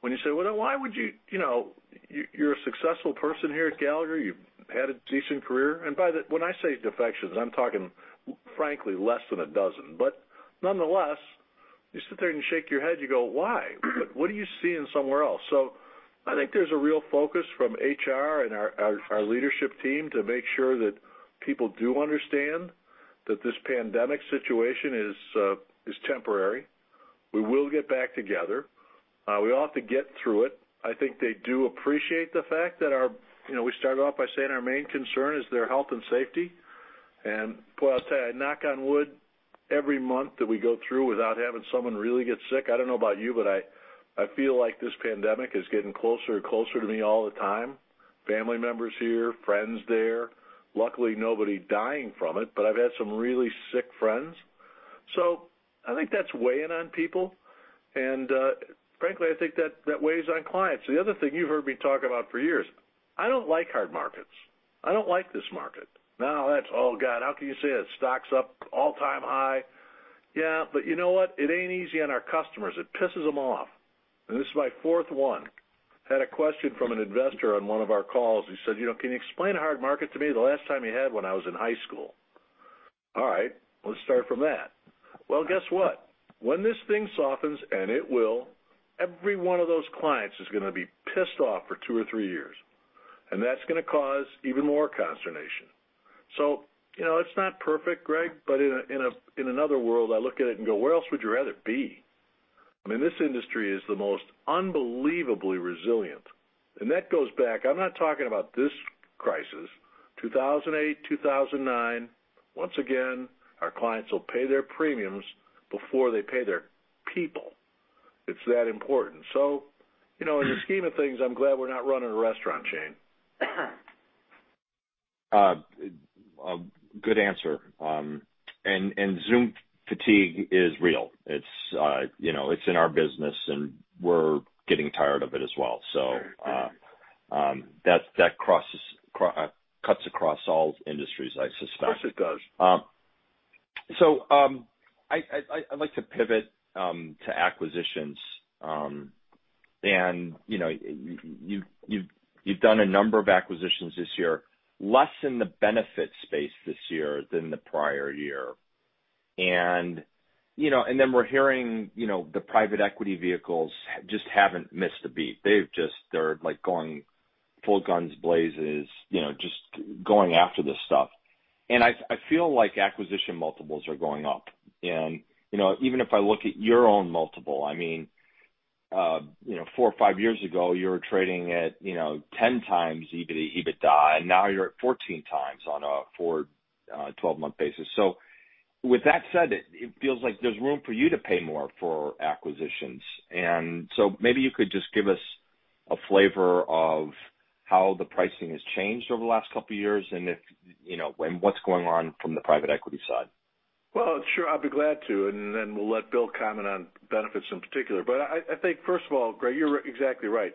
When you say, "Why would you—you're a successful person here at Gallagher. You've had a decent career." When I say defections, I'm talking, frankly, less than a dozen. Nonetheless, you sit there and you shake your head. You go, "Why? What are you seeing somewhere else?" I think there's a real focus from HR and our leadership team to make sure that people do understand that this pandemic situation is temporary. We will get back together. We all have to get through it. I think they do appreciate the fact that we started off by saying our main concern is their health and safety. Boy, I'll tell you, I knock on wood every month that we go through without having someone really get sick. I don't know about you, but I feel like this pandemic is getting closer and closer to me all the time. Family members here, friends there. Luckily, nobody dying from it, but I've had some really sick friends. I think that's weighing on people. Frankly, I think that weighs on clients. The other thing you've heard me talk about for years, I don't like hard markets. I don't like this market. Now, that's—oh, God, how can you say that? Stocks up all-time high. Yeah. You know what? It ain't easy on our customers. It pisses them off. This is my fourth one. Had a question from an investor on one of our calls. He said, "Can you explain a hard market to me? The last time you had one I was in high school." All right. Let's start from that. Guess what? When this thing softens, and it will, every one of those clients is going to be pissed off for two or three years. That is going to cause even more consternation. It is not perfect, Greg, but in another world, I look at it and go, "Where else would you rather be?" I mean, this industry is the most unbelievably resilient. That goes back—I am not talking about this crisis, 2008, 2009. Once again, our clients will pay their premiums before they pay their people. It is that important. In the scheme of things, I am glad we are not running a restaurant chain. Good answer. Zoom fatigue is real. It's in our business, and we're getting tired of it as well. That cuts across all industries, I suspect. Yes, it does. I'd like to pivot to acquisitions. You've done a number of acquisitions this year, less in the benefit space this year than the prior year. We're hearing the private equity vehicles just haven't missed a beat. They're going full guns blazes, just going after this stuff. I feel like acquisition multiples are going up. Even if I look at your own multiple, I mean, four or five years ago, you were trading at 10x EBITDA, and now you're at 14x on a 12-month basis. With that said, it feels like there's room for you to pay more for acquisitions. Maybe you could just give us a flavor of how the pricing has changed over the last couple of years and what's going on from the private equity side. Sure. I'll be glad to. Then we'll let Bill comment on benefits in particular. I think, first of all, Greg, you're exactly right.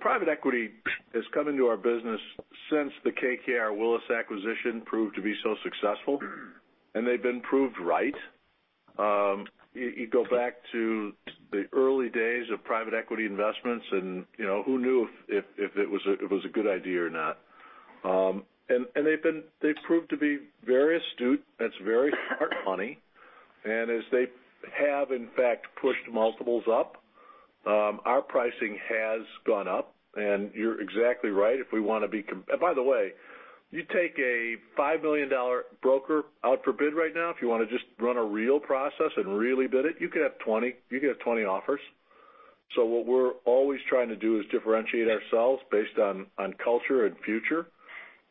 Private equity has come into our business since the KKR Willis acquisition proved to be so successful, and they've been proved right. You go back to the early days of private equity investments, and who knew if it was a good idea or not? They've proved to be very astute. That's very smart, funny. As they have, in fact, pushed multiples up, our pricing has gone up. You're exactly right. If we want to be—by the way, you take a $5 million broker out for bid right now. If you want to just run a real process and really bid it, you could have 20. You could have 20 offers. What we're always trying to do is differentiate ourselves based on culture and future.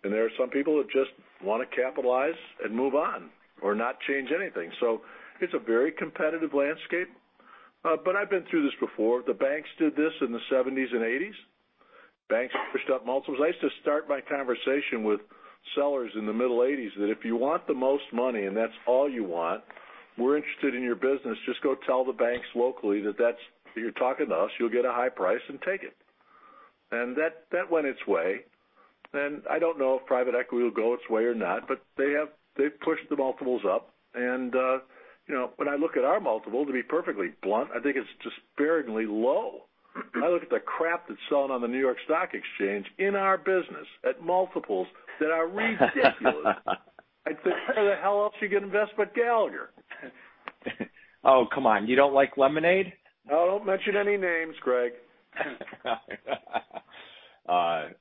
There are some people that just want to capitalize and move on or not change anything. It is a very competitive landscape. I've been through this before. The banks did this in the 1970s and 1980s. Banks pushed up multiples. I used to start my conversation with sellers in the middle 1980s that if you want the most money and that's all you want, we're interested in your business. Just go tell the banks locally that you're talking to us. You'll get a high price and take it. That went its way. I don't know if private equity will go its way or not, but they've pushed the multiples up. When I look at our multiple, to be perfectly blunt, I think it's disparagingly low. I look at the crap that's selling on the New York Stock Exchange in our business at multiples that are ridiculous. I'd say, "Where the hell else you can invest but Gallagher?" Oh, come on. You don't like lemonade? Oh, don't mention any names, Greg.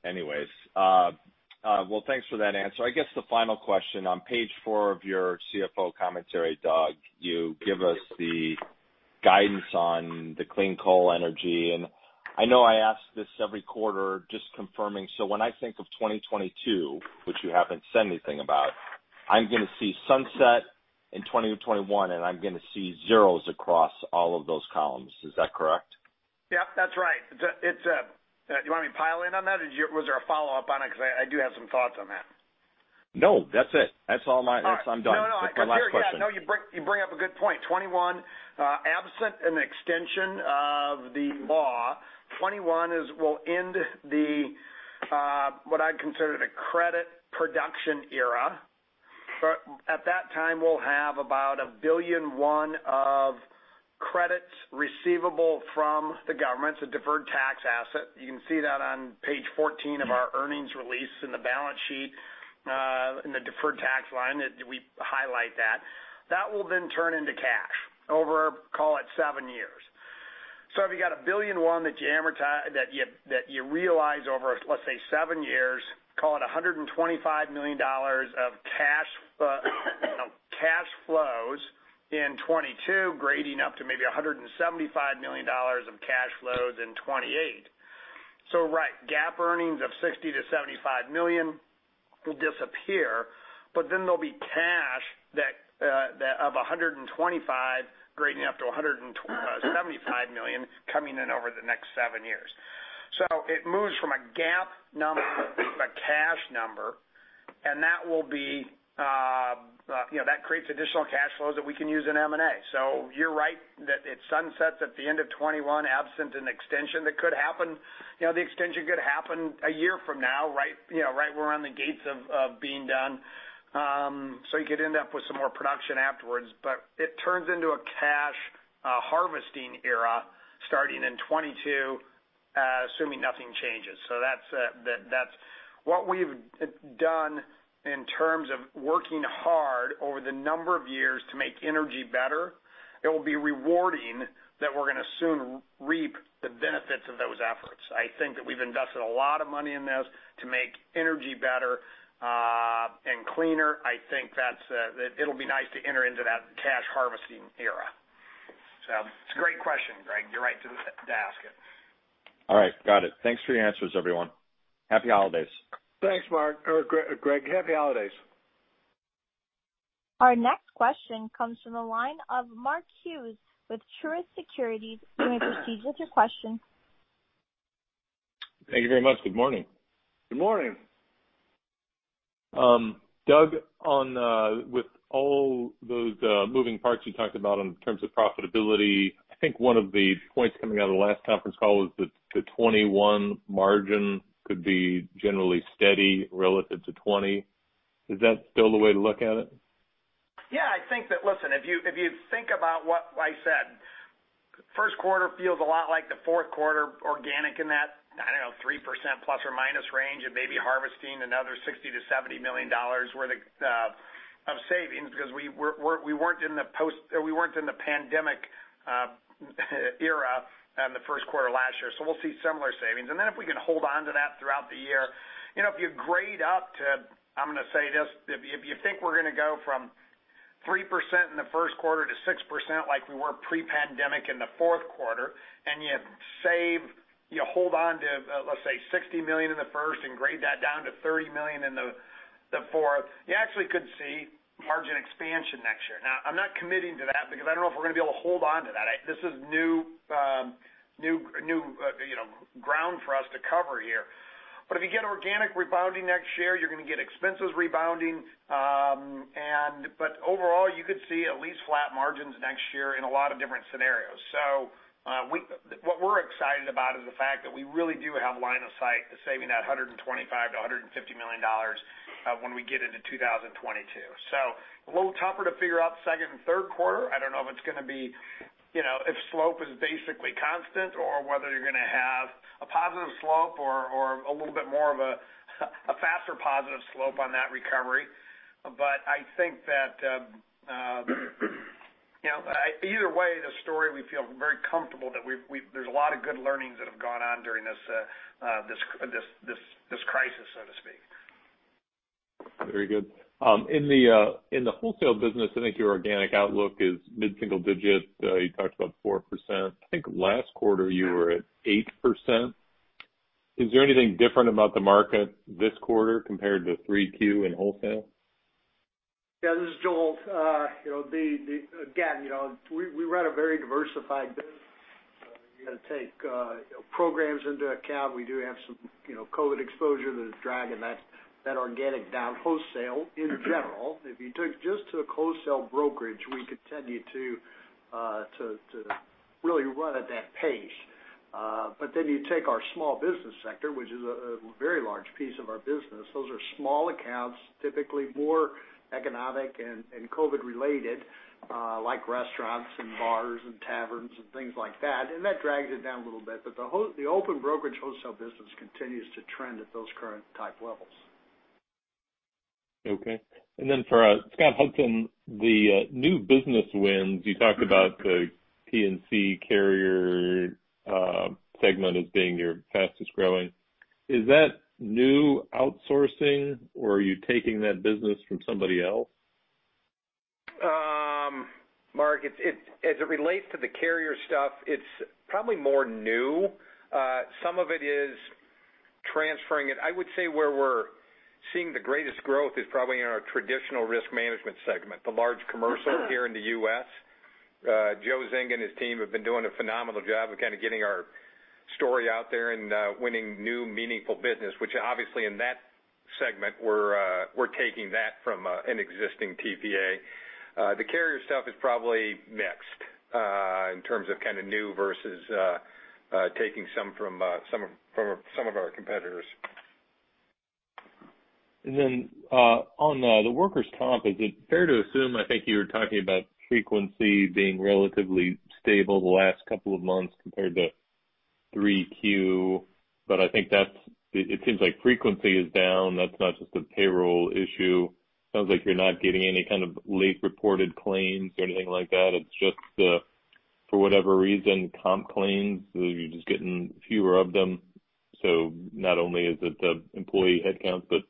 Anyways, thanks for that answer. I guess the final question. On page four of your CFO commentary, Doug, you give us the guidance on the clean coal energy. I know I ask this every quarter, just confirming. When I think of 2022, which you haven't said anything about, I'm going to see sunset in 2021, and I'm going to see zeros across all of those columns. Is that correct? Yep. That's right. Do you want me to pile in on that, or was there a follow-up on it? Because I do have some thoughts on that. No. That's it. That's all my—I'm done. That's my last question. No, no. You bring up a good point. 2021, absent an extension of the law, 2021 will end what I consider the credit production era. At that time, we'll have about $1 billion of credits receivable from the government. It's a deferred tax asset. You can see that on page 14 of our earnings release in the balance sheet in the deferred tax line. We highlight that. That will then turn into cash over, call it, seven years. If you got a billion won that you realize over, let's say, seven years, call it $125 million of cash flows in 2022, grading up to maybe $175 million of cash flows in 2028. Right, GAAP earnings of $60 million-$75 million will disappear, but then there will be cash of $125 million grading up to $175 million coming in over the next seven years. It moves from a GAAP number to a cash number, and that creates additional cash flows that we can use in M&A. You are right that it sunsets at the end of 2021, absent an extension that could happen. The extension could happen a year from now, right? We are on the gates of being done. You could end up with some more production afterwards, but it turns into a cash harvesting era starting in 2022, assuming nothing changes. That's what we've done in terms of working hard over the number of years to make energy better. It will be rewarding that we're going to soon reap the benefits of those efforts. I think that we've invested a lot of money in this to make energy better and cleaner. I think it'll be nice to enter into that cash harvesting era. It's a great question, Greg. You're right to ask it. All right. Got it. Thanks for your answers, everyone. Happy holidays. Thanks, Mark. Greg, happy holidays. Our next question comes from the line of Mark Hughes with Truist Securities. We'll proceed with your question. Thank you very much. Good morning. Good morning. Doug, with all those moving parts you talked about in terms of profitability, I think one of the points coming out of the last conference call was that the 2021 margin could be generally steady relative to 2020. Is that still the way to look at it? Yeah. I think that, listen, if you think about what I said, first quarter feels a lot like the fourth quarter, organic in that, I do not know, 3%± range and maybe harvesting another $60 million-$70 million worth of savings because we were not in the pandemic era in the first quarter last year. We will see similar savings. If we can hold on to that throughout the year, if you grade up to—I'm going to say this—if you think we're going to go from 3% in the first quarter to 6% like we were pre-pandemic in the fourth quarter, and you hold on to, let's say, $60 million in the first and grade that down to $30 million in the fourth, you actually could see margin expansion next year. Now, I'm not committing to that because I don't know if we're going to be able to hold on to that. This is new ground for us to cover here. If you get organic rebounding next year, you're going to get expenses rebounding. Overall, you could see at least flat margins next year in a lot of different scenarios. What we're excited about is the fact that we really do have line of sight to saving that $125 million-$150 million when we get into 2022. A little tougher to figure out second and third quarter. I don't know if it's going to be if slope is basically constant or whether you're going to have a positive slope or a little bit more of a faster positive slope on that recovery. I think that either way, the story we feel very comfortable that there's a lot of good learnings that have gone on during this crisis, so to speak. Very good. In the wholesale business, I think your organic outlook is mid-single digit. You talked about 4%. I think last quarter you were at 8%. Is there anything different about the market this quarter compared to 3Q in wholesale? Yeah. This is Joel. Again, we run a very diversified business. You got to take programs into account. We do have some COVID exposure that is dragging that organic down. Wholesale in general, if you took just to a wholesale brokerage, we could tell you to really run at that pace. You take our small business sector, which is a very large piece of our business. Those are small accounts, typically more economic and COVID-related, like restaurants and bars and taverns and things like that. That drags it down a little bit. The open brokerage wholesale business continues to trend at those current type levels. Okay. For Scott Hudson, the new business wins, you talked about the P&C carrier segment as being your fastest growing. Is that new outsourcing, or are you taking that business from somebody else? Mark, as it relates to the carrier stuff, it's probably more new. Some of it is transferring it. I would say where we're seeing the greatest growth is probably in our traditional risk management segment, the large commercial here in the U.S. Joe Zinga and his team have been doing a phenomenal job of kind of getting our story out there and winning new meaningful business, which obviously in that segment, we're taking that from an existing TPA. The carrier stuff is probably mixed in terms of kind of new versus taking some from some of our competitors. On the workers' comp, is it fair to assume I think you were talking about frequency being relatively stable the last couple of months compared to 3Q, but I think it seems like frequency is down. That's not just a payroll issue. Sounds like you're not getting any kind of late-reported claims or anything like that. It's just, for whatever reason, comp claims. You're just getting fewer of them. Not only is it the employee headcount, but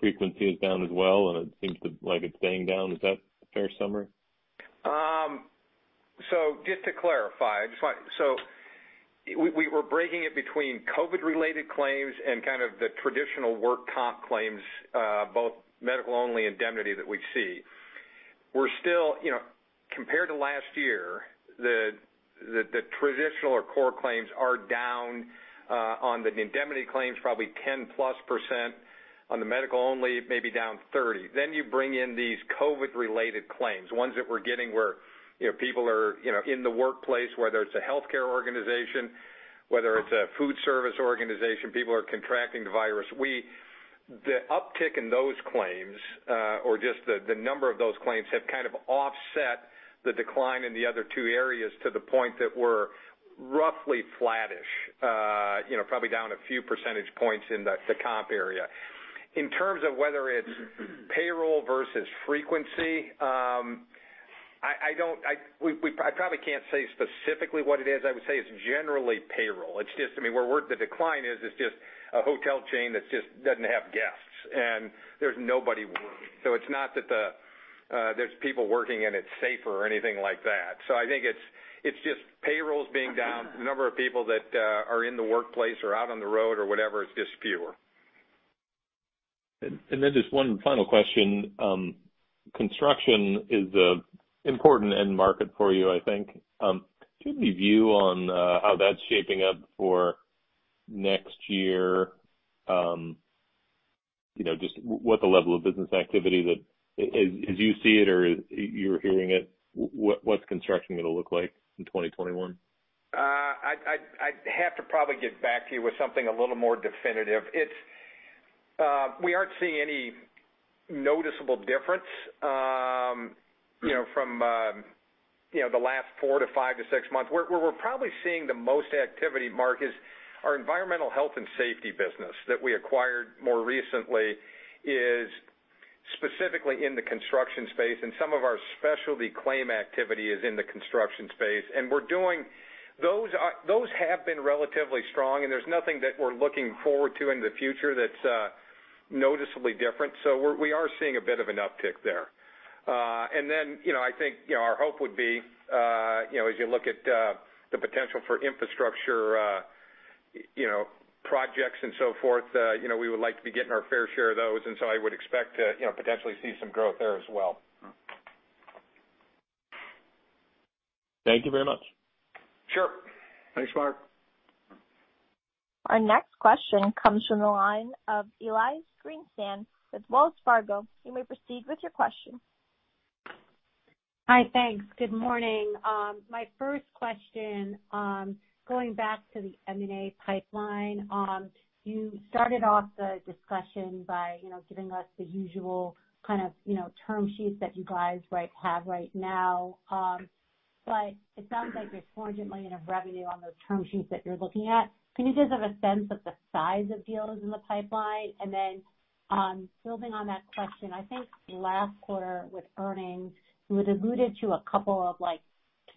frequency is down as well, and it seems like it's staying down. Is that a fair summary? Just to clarify, I just want—so we were breaking it between COVID-related claims and kind of the traditional work comp claims, both medical-only indemnity that we see. We're still, compared to last year, the traditional or core claims are down on the indemnity claims probably 10+%, on the medical-only maybe down 30%. You bring in these COVID-related claims, ones that we're getting where people are in the workplace, whether it's a healthcare organization, whether it's a food service organization, people are contracting the virus. The uptick in those claims, or just the number of those claims, have kind of offset the decline in the other two areas to the point that we're roughly flattish, probably down a few percentage points in the comp area. In terms of whether it's payroll versus frequency, I probably can't say specifically what it is. I would say it's generally payroll. I mean, where the decline is, it's just a hotel chain that just doesn't have guests, and there's nobody working. It's not that there's people working and it's safer or anything like that. I think it's just payrolls being down. The number of people that are in the workplace or out on the road or whatever is just fewer. And then just one final question. Construction is an important end market for you, I think. Do you have any view on how that's shaping up for next year? Just what the level of business activity that—as you see it or you're hearing it, what's construction going to look like in 2021? I'd have to probably get back to you with something a little more definitive. We aren't seeing any noticeable difference from the last four to five to six months. Where we're probably seeing the most activity, Mark, is our environmental health and safety business that we acquired more recently is specifically in the construction space, and some of our specialty claim activity is in the construction space. Those have been relatively strong, and there's nothing that we're looking forward to in the future that's noticeably different. We are seeing a bit of an uptick there. I think our hope would be, as you look at the potential for infrastructure projects and so forth, we would like to be getting our fair share of those. I would expect to potentially see some growth there as well. Thank you very much. Sure. Thanks, Mark. Our next question comes from the line of Elyse Greenspan with Wells Fargo. You may proceed with your question. Hi, thanks. Good morning. My first question, going back to the M&A pipeline, you started off the discussion by giving us the usual kind of term sheets that you guys have right now. It sounds like there's quadrant line of revenue on those term sheets that you're looking at. Can you give us a sense of the size of deals in the pipeline? Then building on that question, I think last quarter with earnings, you had alluded to a couple of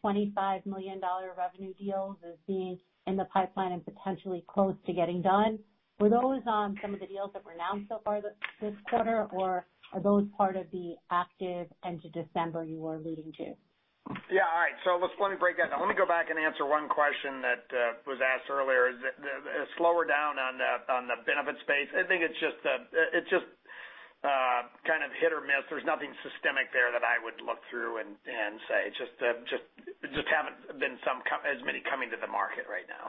$25 million revenue deals as being in the pipeline and potentially close to getting done. Were those some of the deals that were announced so far this quarter, or are those part of the active end of December you were alluding to? Yeah. All right. Let me break that down. Let me go back and answer one question that was asked earlier. Slower down on the benefit space. I think it's just kind of hit or miss. There's nothing systemic there that I would look through and say. It just hasn't been as many coming to the market right now.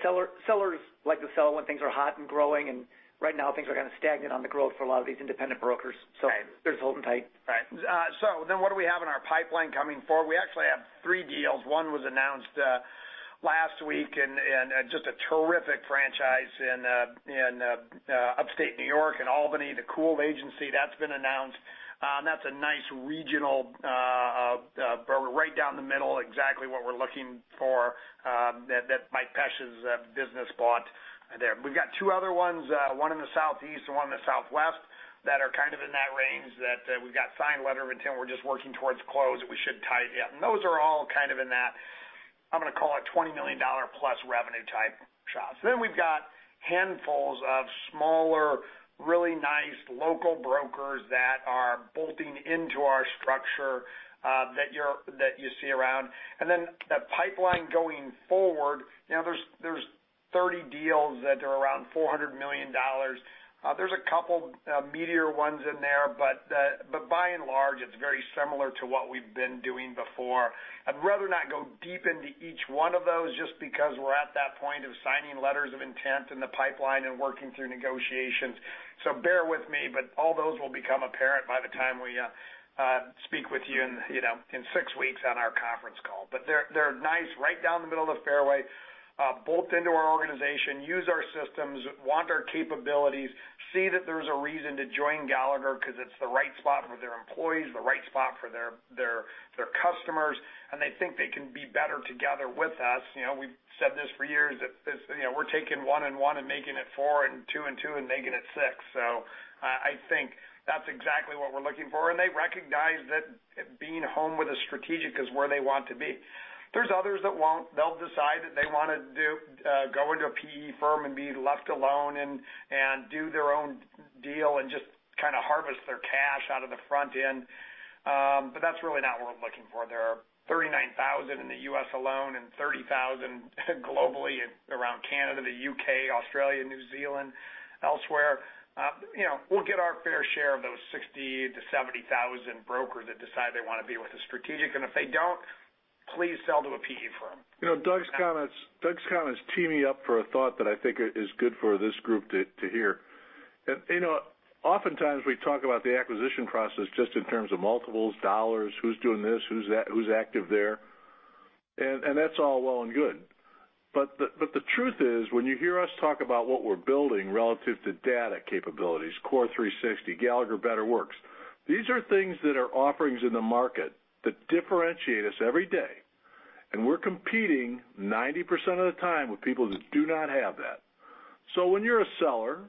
Sellers like to sell when things are hot and growing, and right now, things are kind of stagnant on the growth for a lot of these independent brokers. There's holding tight. Right. What do we have in our pipeline coming forward? We actually have three deals. One was announced last week in just a terrific franchise in upstate New York in Albany, the Cool Agency. That's been announced. That's a nice regional where we're right down the middle, exactly what we're looking for that Mike Pesch's business bought there. We've got two other ones, one in the southeast and one in the southwest, that are kind of in that range that we've got signed letter of intent. We're just working towards close that we should tighten it. Those are all kind of in that, I'm going to call it, $20 million+ revenue type shots. We've got handfuls of smaller, really nice local brokers that are bolting into our structure that you see around. The pipeline going forward, there's 30 deals that are around $400 million. There's a couple of meatier ones in there, but by and large, it's very similar to what we've been doing before. I'd rather not go deep into each one of those just because we're at that point of signing letters of intent in the pipeline and working through negotiations. Bear with me, but all those will become apparent by the time we speak with you in six weeks on our conference call. They're nice, right down the middle of the fairway, bolt into our organization, use our systems, want our capabilities, see that there's a reason to join Gallagher because it's the right spot for their employees, the right spot for their customers, and they think they can be better together with us. We've said this for years, that we're taking one and one and making it four and two and two and making it six. I think that's exactly what we're looking for. They recognize that being home with a strategic is where they want to be. There's others that won't. They'll decide that they want to go into a PE firm and be left alone and do their own deal and just kind of harvest their cash out of the front end. That's really not what we're looking for. There are 39,000 in the U.S. alone and 30,000 globally around Canada, the U.K., Australia, New Zealand, elsewhere. We'll get our fair share of those 60,000-70,000 brokers that decide they want to be with a strategic. If they don't, please sell to a PE firm. Doug's comments tee me up for a thought that I think is good for this group to hear. Oftentimes, we talk about the acquisition process just in terms of multiples, dollars, who's doing this, who's active there. That's all well and good. The truth is, when you hear us talk about what we're building relative to data capabilities, CORE360, Gallagher Better Works, these are things that are offerings in the market that differentiate us every day. We're competing 90% of the time with people that do not have that. When you're a seller,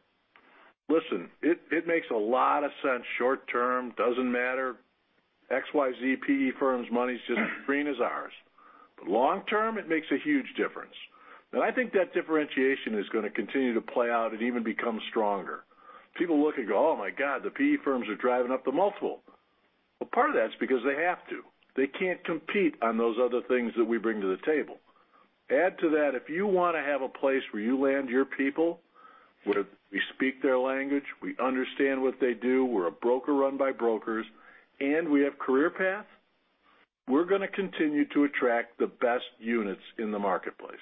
listen, it makes a lot of sense short term, doesn't matter. XYZ PE firm's money's just as green as ours. Long term, it makes a huge difference. I think that differentiation is going to continue to play out and even become stronger. People look and go, "Oh my God, the PE firms are driving up the multiple." Part of that's because they have to. They can't compete on those other things that we bring to the table. Add to that, if you want to have a place where you land your people, where we speak their language, we understand what they do, we're a broker run by brokers, and we have career paths, we're going to continue to attract the best units in the marketplace.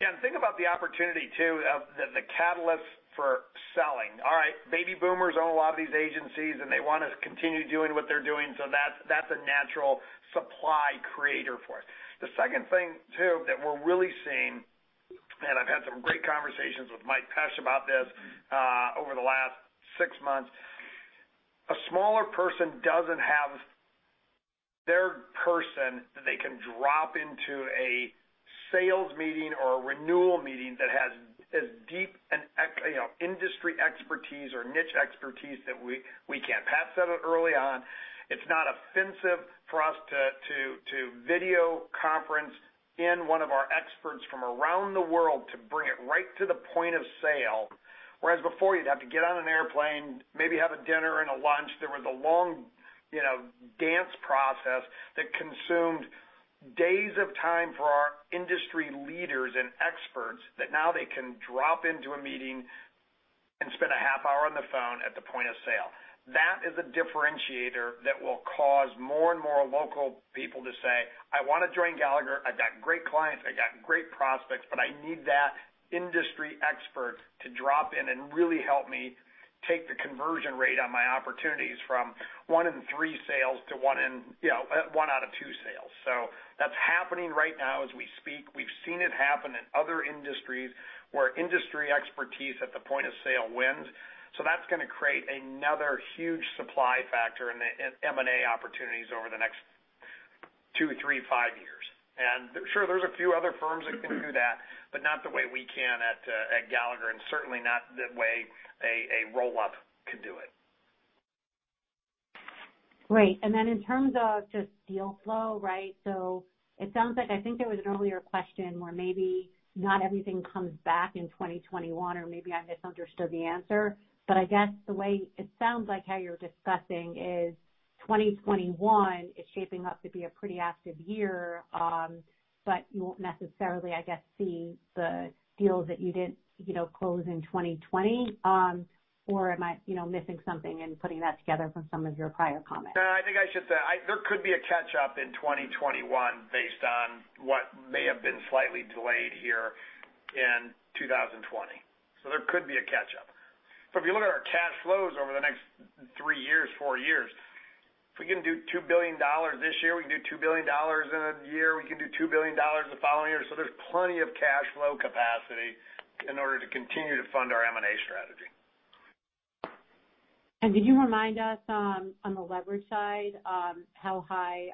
Yeah. Think about the opportunity too of the catalysts for selling. All right. Baby boomers own a lot of these agencies, and they want to continue doing what they're doing. That's a natural supply creator for us. The second thing too that we're really seeing, and I've had some great conversations with Mike Pesch about this over the last six months, a smaller person doesn't have their person that they can drop into a sales meeting or a renewal meeting that has as deep an industry expertise or niche expertise that we can. Pat said it early on. It's not offensive for us to video conference in one of our experts from around the world to bring it right to the point of sale. Whereas before, you'd have to get on an airplane, maybe have a dinner and a lunch. There was a long dance process that consumed days of time for our industry leaders and experts that now they can drop into a meeting and spend a half hour on the phone at the point of sale. That is a differentiator that will cause more and more local people to say, "I want to join Gallagher. I've got great clients. I've got great prospects, but I need that industry expert to drop in and really help me take the conversion rate on my opportunities from one in three sales to one out of two sales." That is happening right now as we speak. We've seen it happen in other industries where industry expertise at the point of sale wins. That is going to create another huge supply factor in the M&A opportunities over the next two, three, five years. Sure, there's a few other firms that can do that, but not the way we can at Gallagher, and certainly not the way a roll-up could do it. Right. In terms of just deal flow, right? It sounds like I think there was an earlier question where maybe not everything comes back in 2021, or maybe I misunderstood the answer. I guess the way it sounds like how you're discussing is 2021 is shaping up to be a pretty active year, but you won't necessarily, I guess, see the deals that you didn't close in 2020. Or am I missing something in putting that together from some of your prior comments? I think I should say there could be a catch-up in 2021 based on what may have been slightly delayed here in 2020. There could be a catch-up. If you look at our cash flows over the next three years, four years, if we can do $2 billion this year, we can do $2 billion in a year. We can do $2 billion the following year. There is plenty of cash flow capacity in order to continue to fund our M&A strategy. Could you remind us on the leverage side how high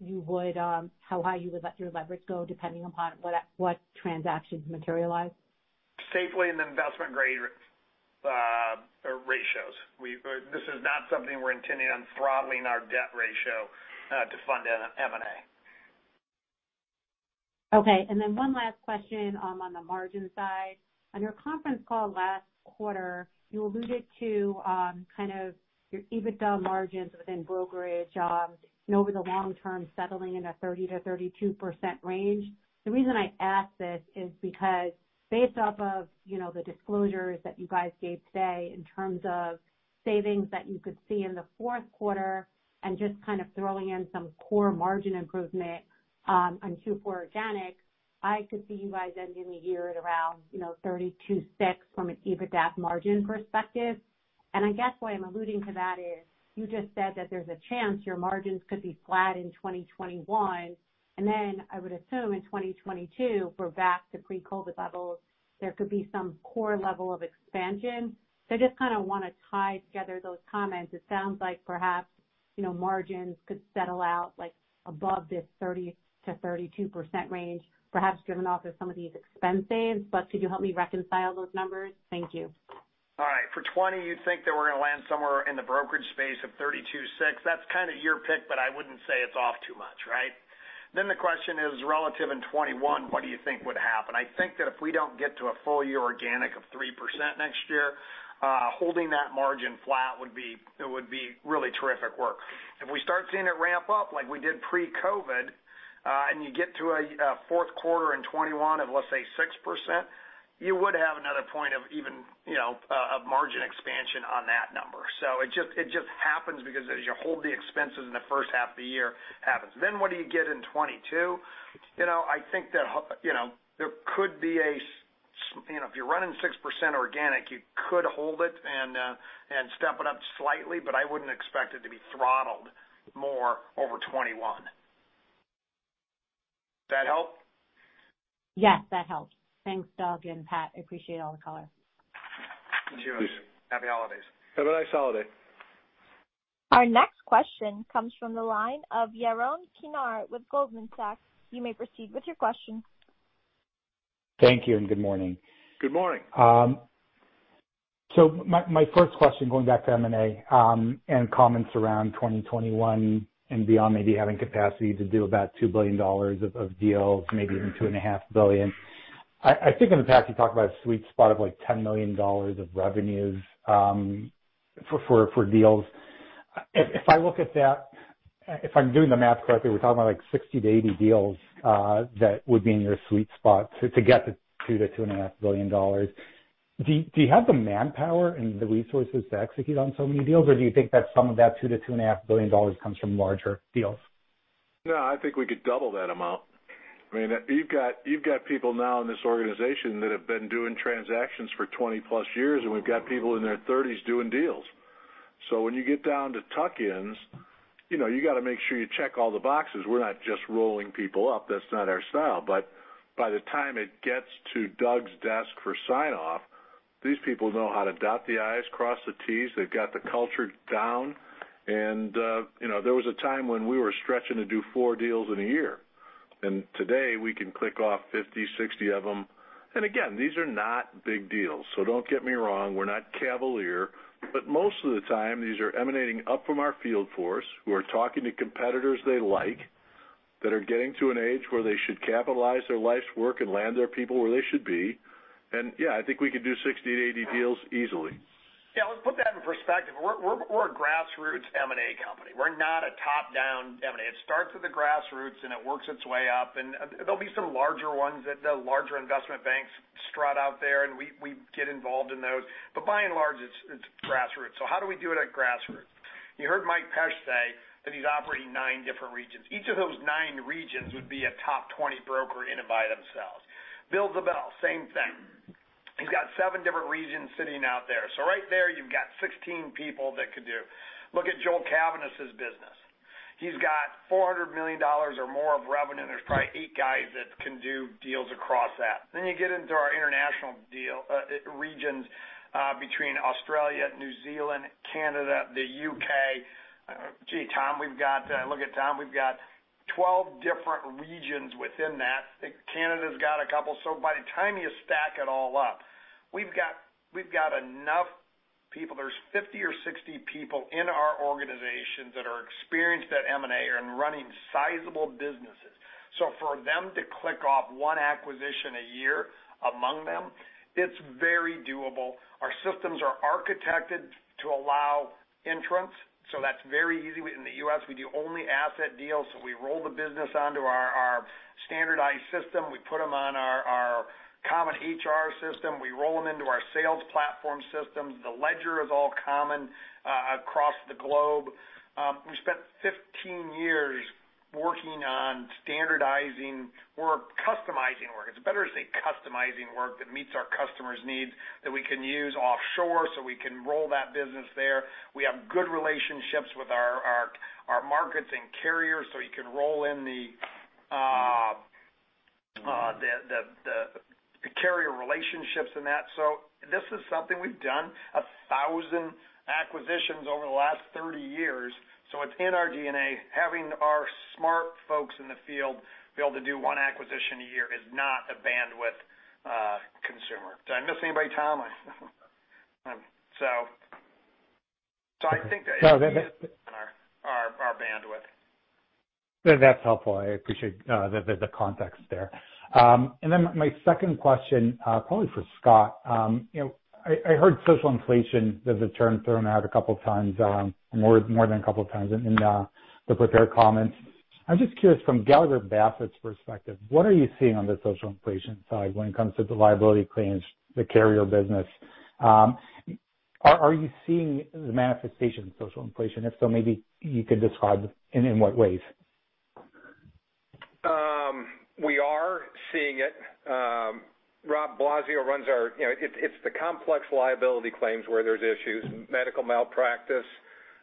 you would let your leverage go depending upon what transactions materialize? Safely in the investment grade ratios. This is not something we are intending on throttling our debt ratio to fund an M&A. Okay. One last question on the margin side. On your conference call last quarter, you alluded to your EBITDA margins within brokerage and over the long term settling in a 30%-32% range. The reason I ask this is because based off of the disclosures that you guys gave today in terms of savings that you could see in the fourth quarter and just kind of throwing in some core margin improvement on Q4 organic, I could see you guys ending the year at around 32.6% from an EBITDA margin perspective. I guess what I'm alluding to is you just said that there's a chance your margins could be flat in 2021. I would assume in 2022, we're back to pre-COVID levels. There could be some core level of expansion. I just kind of want to tie together those comments. It sounds like perhaps margins could settle out above this 30%-32% range, perhaps driven off of some of these expense saves. Could you help me reconcile those numbers? Thank you. All right. For 2020, you'd think that we're going to land somewhere in the brokerage space of 32.6. That's kind of your pick, but I wouldn't say it's off too much, right? The question is relative in 2021, what do you think would happen? I think that if we don't get to a full year organic of 3% next year, holding that margin flat would be really terrific work. If we start seeing it ramp up like we did pre-COVID and you get to a fourth quarter in 2021 of, let's say, 6%, you would have another point of even a margin expansion on that number. It just happens because as you hold the expenses in the first half of the year, it happens. What do you get in 2022? I think that there could be a, if you're running 6% organic, you could hold it and step it up slightly, but I wouldn't expect it to be throttled more over 2021. Does that help? Yes, that helps. Thanks, Doug. And Pat, I appreciate all the color. Thank you. Happy holidays. Have a nice holiday. Our next question comes from the line of Yaron Kinar with Goldman Sachs. You may proceed with your question. Thank you and good morning. Good morning. My first question, going back to M&A and comments around 2021 and beyond, maybe having capacity to do about $2 billion of deals, maybe even $2.5 billion. I think in the past you talked about a sweet spot of like $10 million of revenues for deals. If I look at that, if I'm doing the math correctly, we're talking about like 60-80 deals that would be in your sweet spot to get to the $2 billion-$2.5 billion. Do you have the manpower and the resources to execute on so many deals, or do you think that some of that $2 billion-$2.5 billion comes from larger deals? No, I think we could double that amount. I mean, you've got people now in this organization that have been doing transactions for 20+ years, and we've got people in their 30s doing deals. When you get down to tuck-ins, you got to make sure you check all the boxes. We're not just rolling people up. That's not our style. By the time it gets to Doug's desk for sign-off, these people know how to dot the i's, cross the t's. They've got the culture down. There was a time when we were stretching to do four deals in a year. Today, we can click off 50-60 of them. These are not big deals. Do not get me wrong. We are not cavalier. Most of the time, these are emanating up from our field force who are talking to competitors they like that are getting to an age where they should capitalize their life's work and land their people where they should be. I think we could do 60-80 deals easily. Let's put that in perspective. We are a grassroots M&A company. We are not a top-down M&A. It starts at the grassroots, and it works its way up. There will be some larger ones that the larger investment banks strut out there, and we get involved in those. By and large, it's grassroots. How do we do it at grassroots? You heard Mike Pesch say that he's operating nine different regions. Each of those nine regions would be a top 20 broker in and by themselves. Bill Ziebell, same thing. He's got seven different regions sitting out there. Right there, you've got 16 people that could do. Look at Joel Cavaness's business. He's got $400 million or more of revenue. There's probably eight guys that can do deals across that. You get into our international region between Australia, New Zealand, Canada, the U.K. Gee, Tom, we've got—look at Tom—we've got 12 different regions within that. Canada's got a couple. By the time you stack it all up, we've got enough people. There's 50 or 60 people in our organizations that are experienced at M&A and running sizable businesses. For them to click off one acquisition a year among them, it's very doable. Our systems are architected to allow entrants. That's very easy. In the U.S., we do only asset deals. We roll the business onto our standardized system. We put them on our common HR system. We roll them into our sales platform systems. The ledger is all common across the globe. We spent 15 years working on standardizing work, customizing work. It's better to say customizing work that meets our customers' needs that we can use offshore so we can roll that business there. We have good relationships with our markets and carriers so you can roll in the carrier relationships and that. This is something we've done, 1,000 acquisitions over the last 30 years. It's in our DNA. Having our smart folks in the field be able to do one acquisition a year is not a bandwidth consumer. Did I miss anybody, Tom? I think that's our bandwidth. That's helpful. I appreciate the context there. My second question, probably for Scott, I heard social inflation, the term thrown out a couple of times, more than a couple of times in the prepared comments. I'm just curious, from Gallagher Bassett's perspective, what are you seeing on the social inflation side when it comes to the liability claims, the carrier business? Are you seeing the manifestation of social inflation? If so, maybe you could describe in what ways. We are seeing it. Rob Blasio runs our—it's the complex liability claims where there's issues, medical malpractice,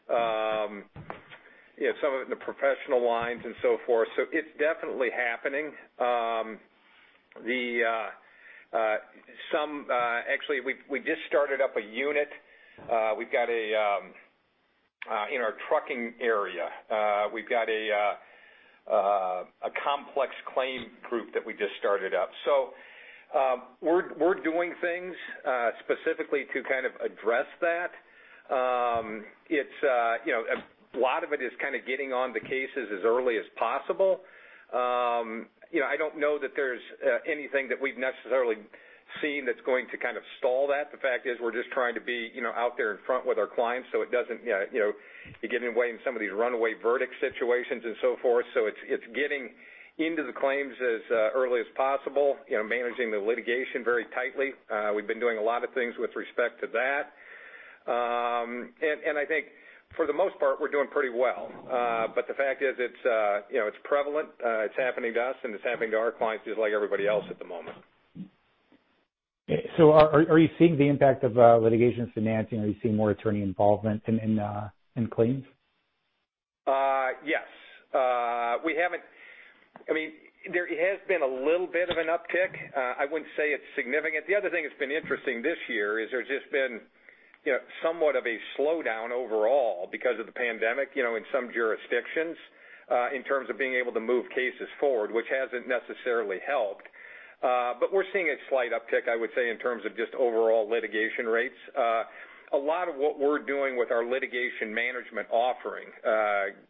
some of it in the professional lines, and so forth. It's definitely happening. Actually, we just started up a unit. We've got a—in our trucking area, we've got a complex claim group that we just started up. We're doing things specifically to kind of address that. A lot of it is kind of getting on the cases as early as possible. I don't know that there's anything that we've necessarily seen that's going to kind of stall that. The fact is we're just trying to be out there in front with our clients so it doesn't—you're getting away in some of these runaway verdict situations and so forth. It's getting into the claims as early as possible, managing the litigation very tightly. We've been doing a lot of things with respect to that. I think for the most part, we're doing pretty well. The fact is it's prevalent. It's happening to us, and it's happening to our clients just like everybody else at the moment. Okay. Are you seeing the impact of litigation financing? Are you seeing more attorney involvement in claims? Yes. I mean, there has been a little bit of an uptick. I wouldn't say it's significant. The other thing that's been interesting this year is there's just been somewhat of a slowdown overall because of the pandemic in some jurisdictions in terms of being able to move cases forward, which hasn't necessarily helped. We're seeing a slight uptick, I would say, in terms of just overall litigation rates. A lot of what we're doing with our litigation management offering,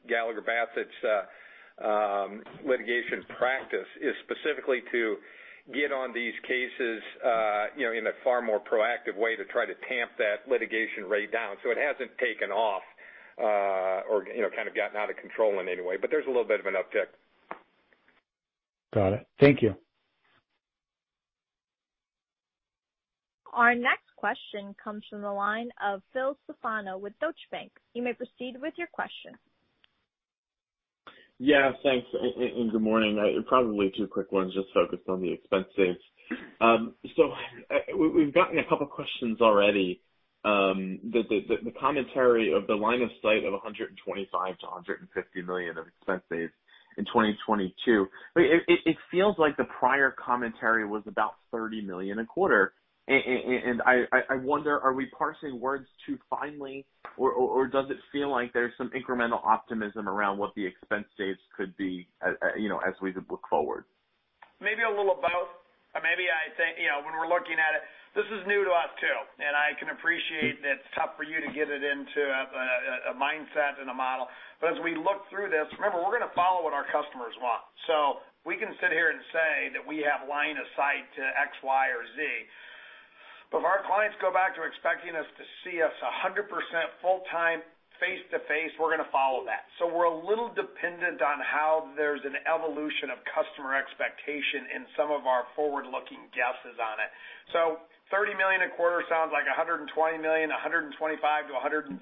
Gallagher Bassett's litigation practice, is specifically to get on these cases in a far more proactive way to try to tamp that litigation rate down. It hasn't taken off or kind of gotten out of control in any way. There's a little bit of an uptick. Got it. Thank you. Our next question comes from the line of Phil Stefano with Deutsche Bank. You may proceed with your question. Yeah. Thanks. And good morning. Probably two quick ones just focused on the expense saves. We've gotten a couple of questions already. The commentary of the line of sight of $125 million-$150 million of expense saves in 2022, it feels like the prior commentary was about $30 million a quarter. I wonder, are we parsing words too finely, or does it feel like there's some incremental optimism around what the expense saves could be as we look forward? Maybe a little of both. Maybe I think when we're looking at it, this is new to us too. I can appreciate that it's tough for you to get it into a mindset and a model. As we look through this, remember, we're going to follow what our customers want. We can sit here and say that we have line of sight to X, Y, or Z. If our clients go back to expecting to see us 100% full-time face-to-face, we're going to follow that. We're a little dependent on how there's an evolution of customer expectation in some of our forward-looking guesses on it. $30 million a quarter sounds like $120 million, $125 million-$150 million,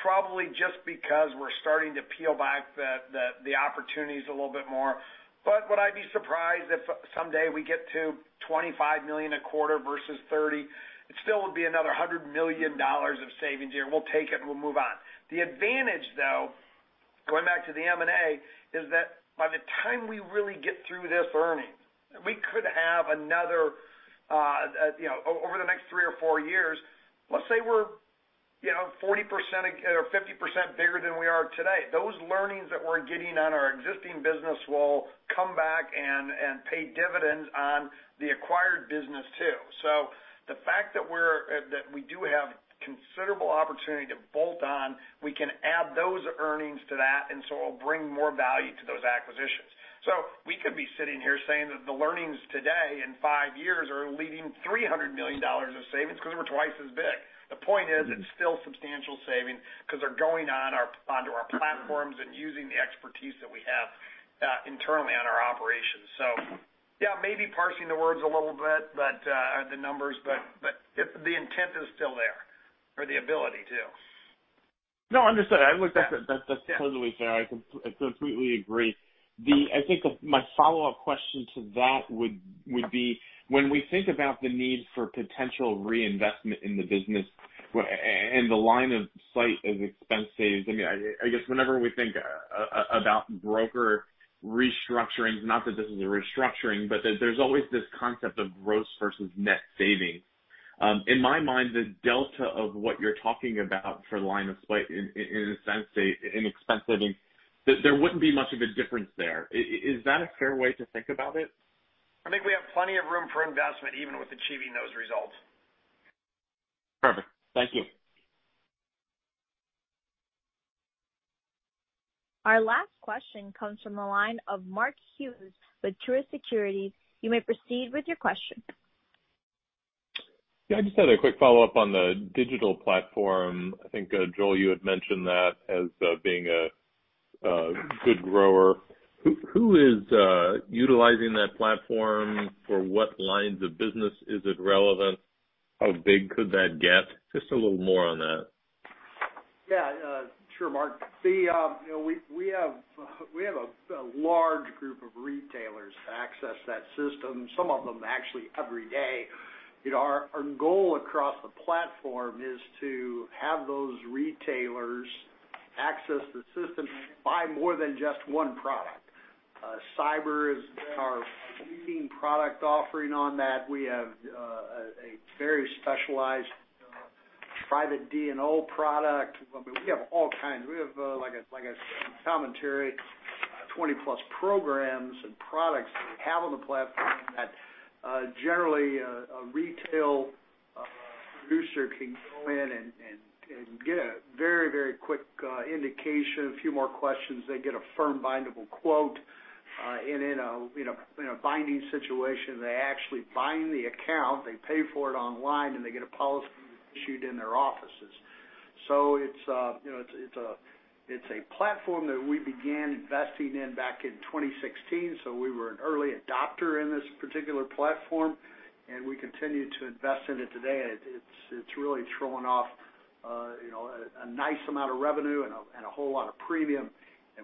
probably just because we're starting to peel back the opportunities a little bit more. Would I be surprised if someday we get to $25 million a quarter versus $30 million? It still would be another $100 million of savings here. We'll take it and we'll move on. The advantage, though, going back to the M&A, is that by the time we really get through this learning, we could have another over the next three or four years, let's say we're 40% or 50% bigger than we are today. Those learnings that we're getting on our existing business will come back and pay dividends on the acquired business too. The fact that we do have considerable opportunity to bolt on, we can add those earnings to that. It will bring more value to those acquisitions. We could be sitting here saying that the learnings today in five years are leading $300 million of savings because we're twice as big. The point is it's still substantial savings because they're going onto our platforms and using the expertise that we have internally on our operations. Yeah, maybe parsing the words a little bit, the numbers, but the intent is still there or the ability to. No, understood. I looked at that clearly there. I completely agree. I think my follow-up question to that would be, when we think about the need for potential reinvestment in the business and the line of sight of expense saves, I mean, I guess whenever we think about broker restructuring, not that this is a restructuring, but there's always this concept of gross versus net savings. In my mind, the delta of what you're talking about for line of sight in a sense, in expense savings, there wouldn't be much of a difference there. Is that a fair way to think about it? I think we have plenty of room for investment even with achieving those results. Perfect. Thank you. Our last question comes from the line of Mark Hughes with Truist Securities. You may proceed with your question. Yeah. I just had a quick follow-up on the digital platform. I think, Joel, you had mentioned that as being a good grower. Who is utilizing that platform? For what lines of business is it relevant? How big could that get? Just a little more on that. Yeah. Sure, Mark. We have a large group of retailers that access that system. Some of them actually every day. Our goal across the platform is to have those retailers access the system and buy more than just one product. Cyber is our leading product offering on that. We have a very specialized private D&O product. I mean, we have all kinds. We have, like I said, commentary, 20+ programs and products that we have on the platform that generally a retail producer can go in and get a very, very quick indication, a few more questions. They get a firm bindable quote. In a binding situation, they actually bind the account. They pay for it online, and they get a policy issued in their offices. It is a platform that we began investing in back in 2016. We were an early adopter in this particular platform, and we continue to invest in it today. It is really throwing off a nice amount of revenue and a whole lot of premium.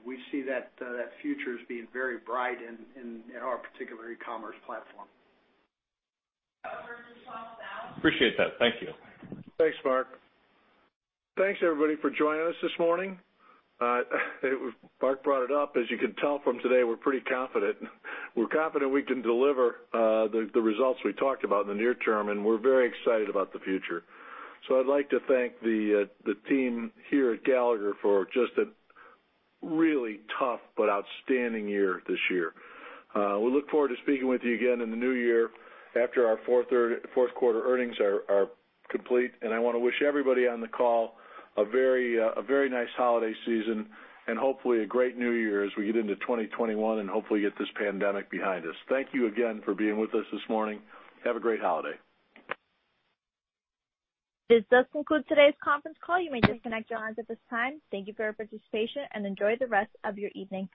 We see that future as being very bright in our particular e-commerce platform. Appreciate that. Thank you. Thanks, Mark. Thanks, everybody, for joining us this morning. Mark brought it up. As you can tell from today, we're pretty confident. We're confident we can deliver the results we talked about in the near term, and we're very excited about the future. I would like to thank the team here at Gallagher for just a really tough but outstanding year this year. We look forward to speaking with you again in the new year after our fourth quarter earnings are complete. I want to wish everybody on the call a very nice holiday season and hopefully a great new year as we get into 2021 and hopefully get this pandemic behind us. Thank you again for being with us this morning. Have a great holiday. This does conclude today's conference call. You may disconnect your lines at this time. Thank you for your participation and enjoy the rest of your evening.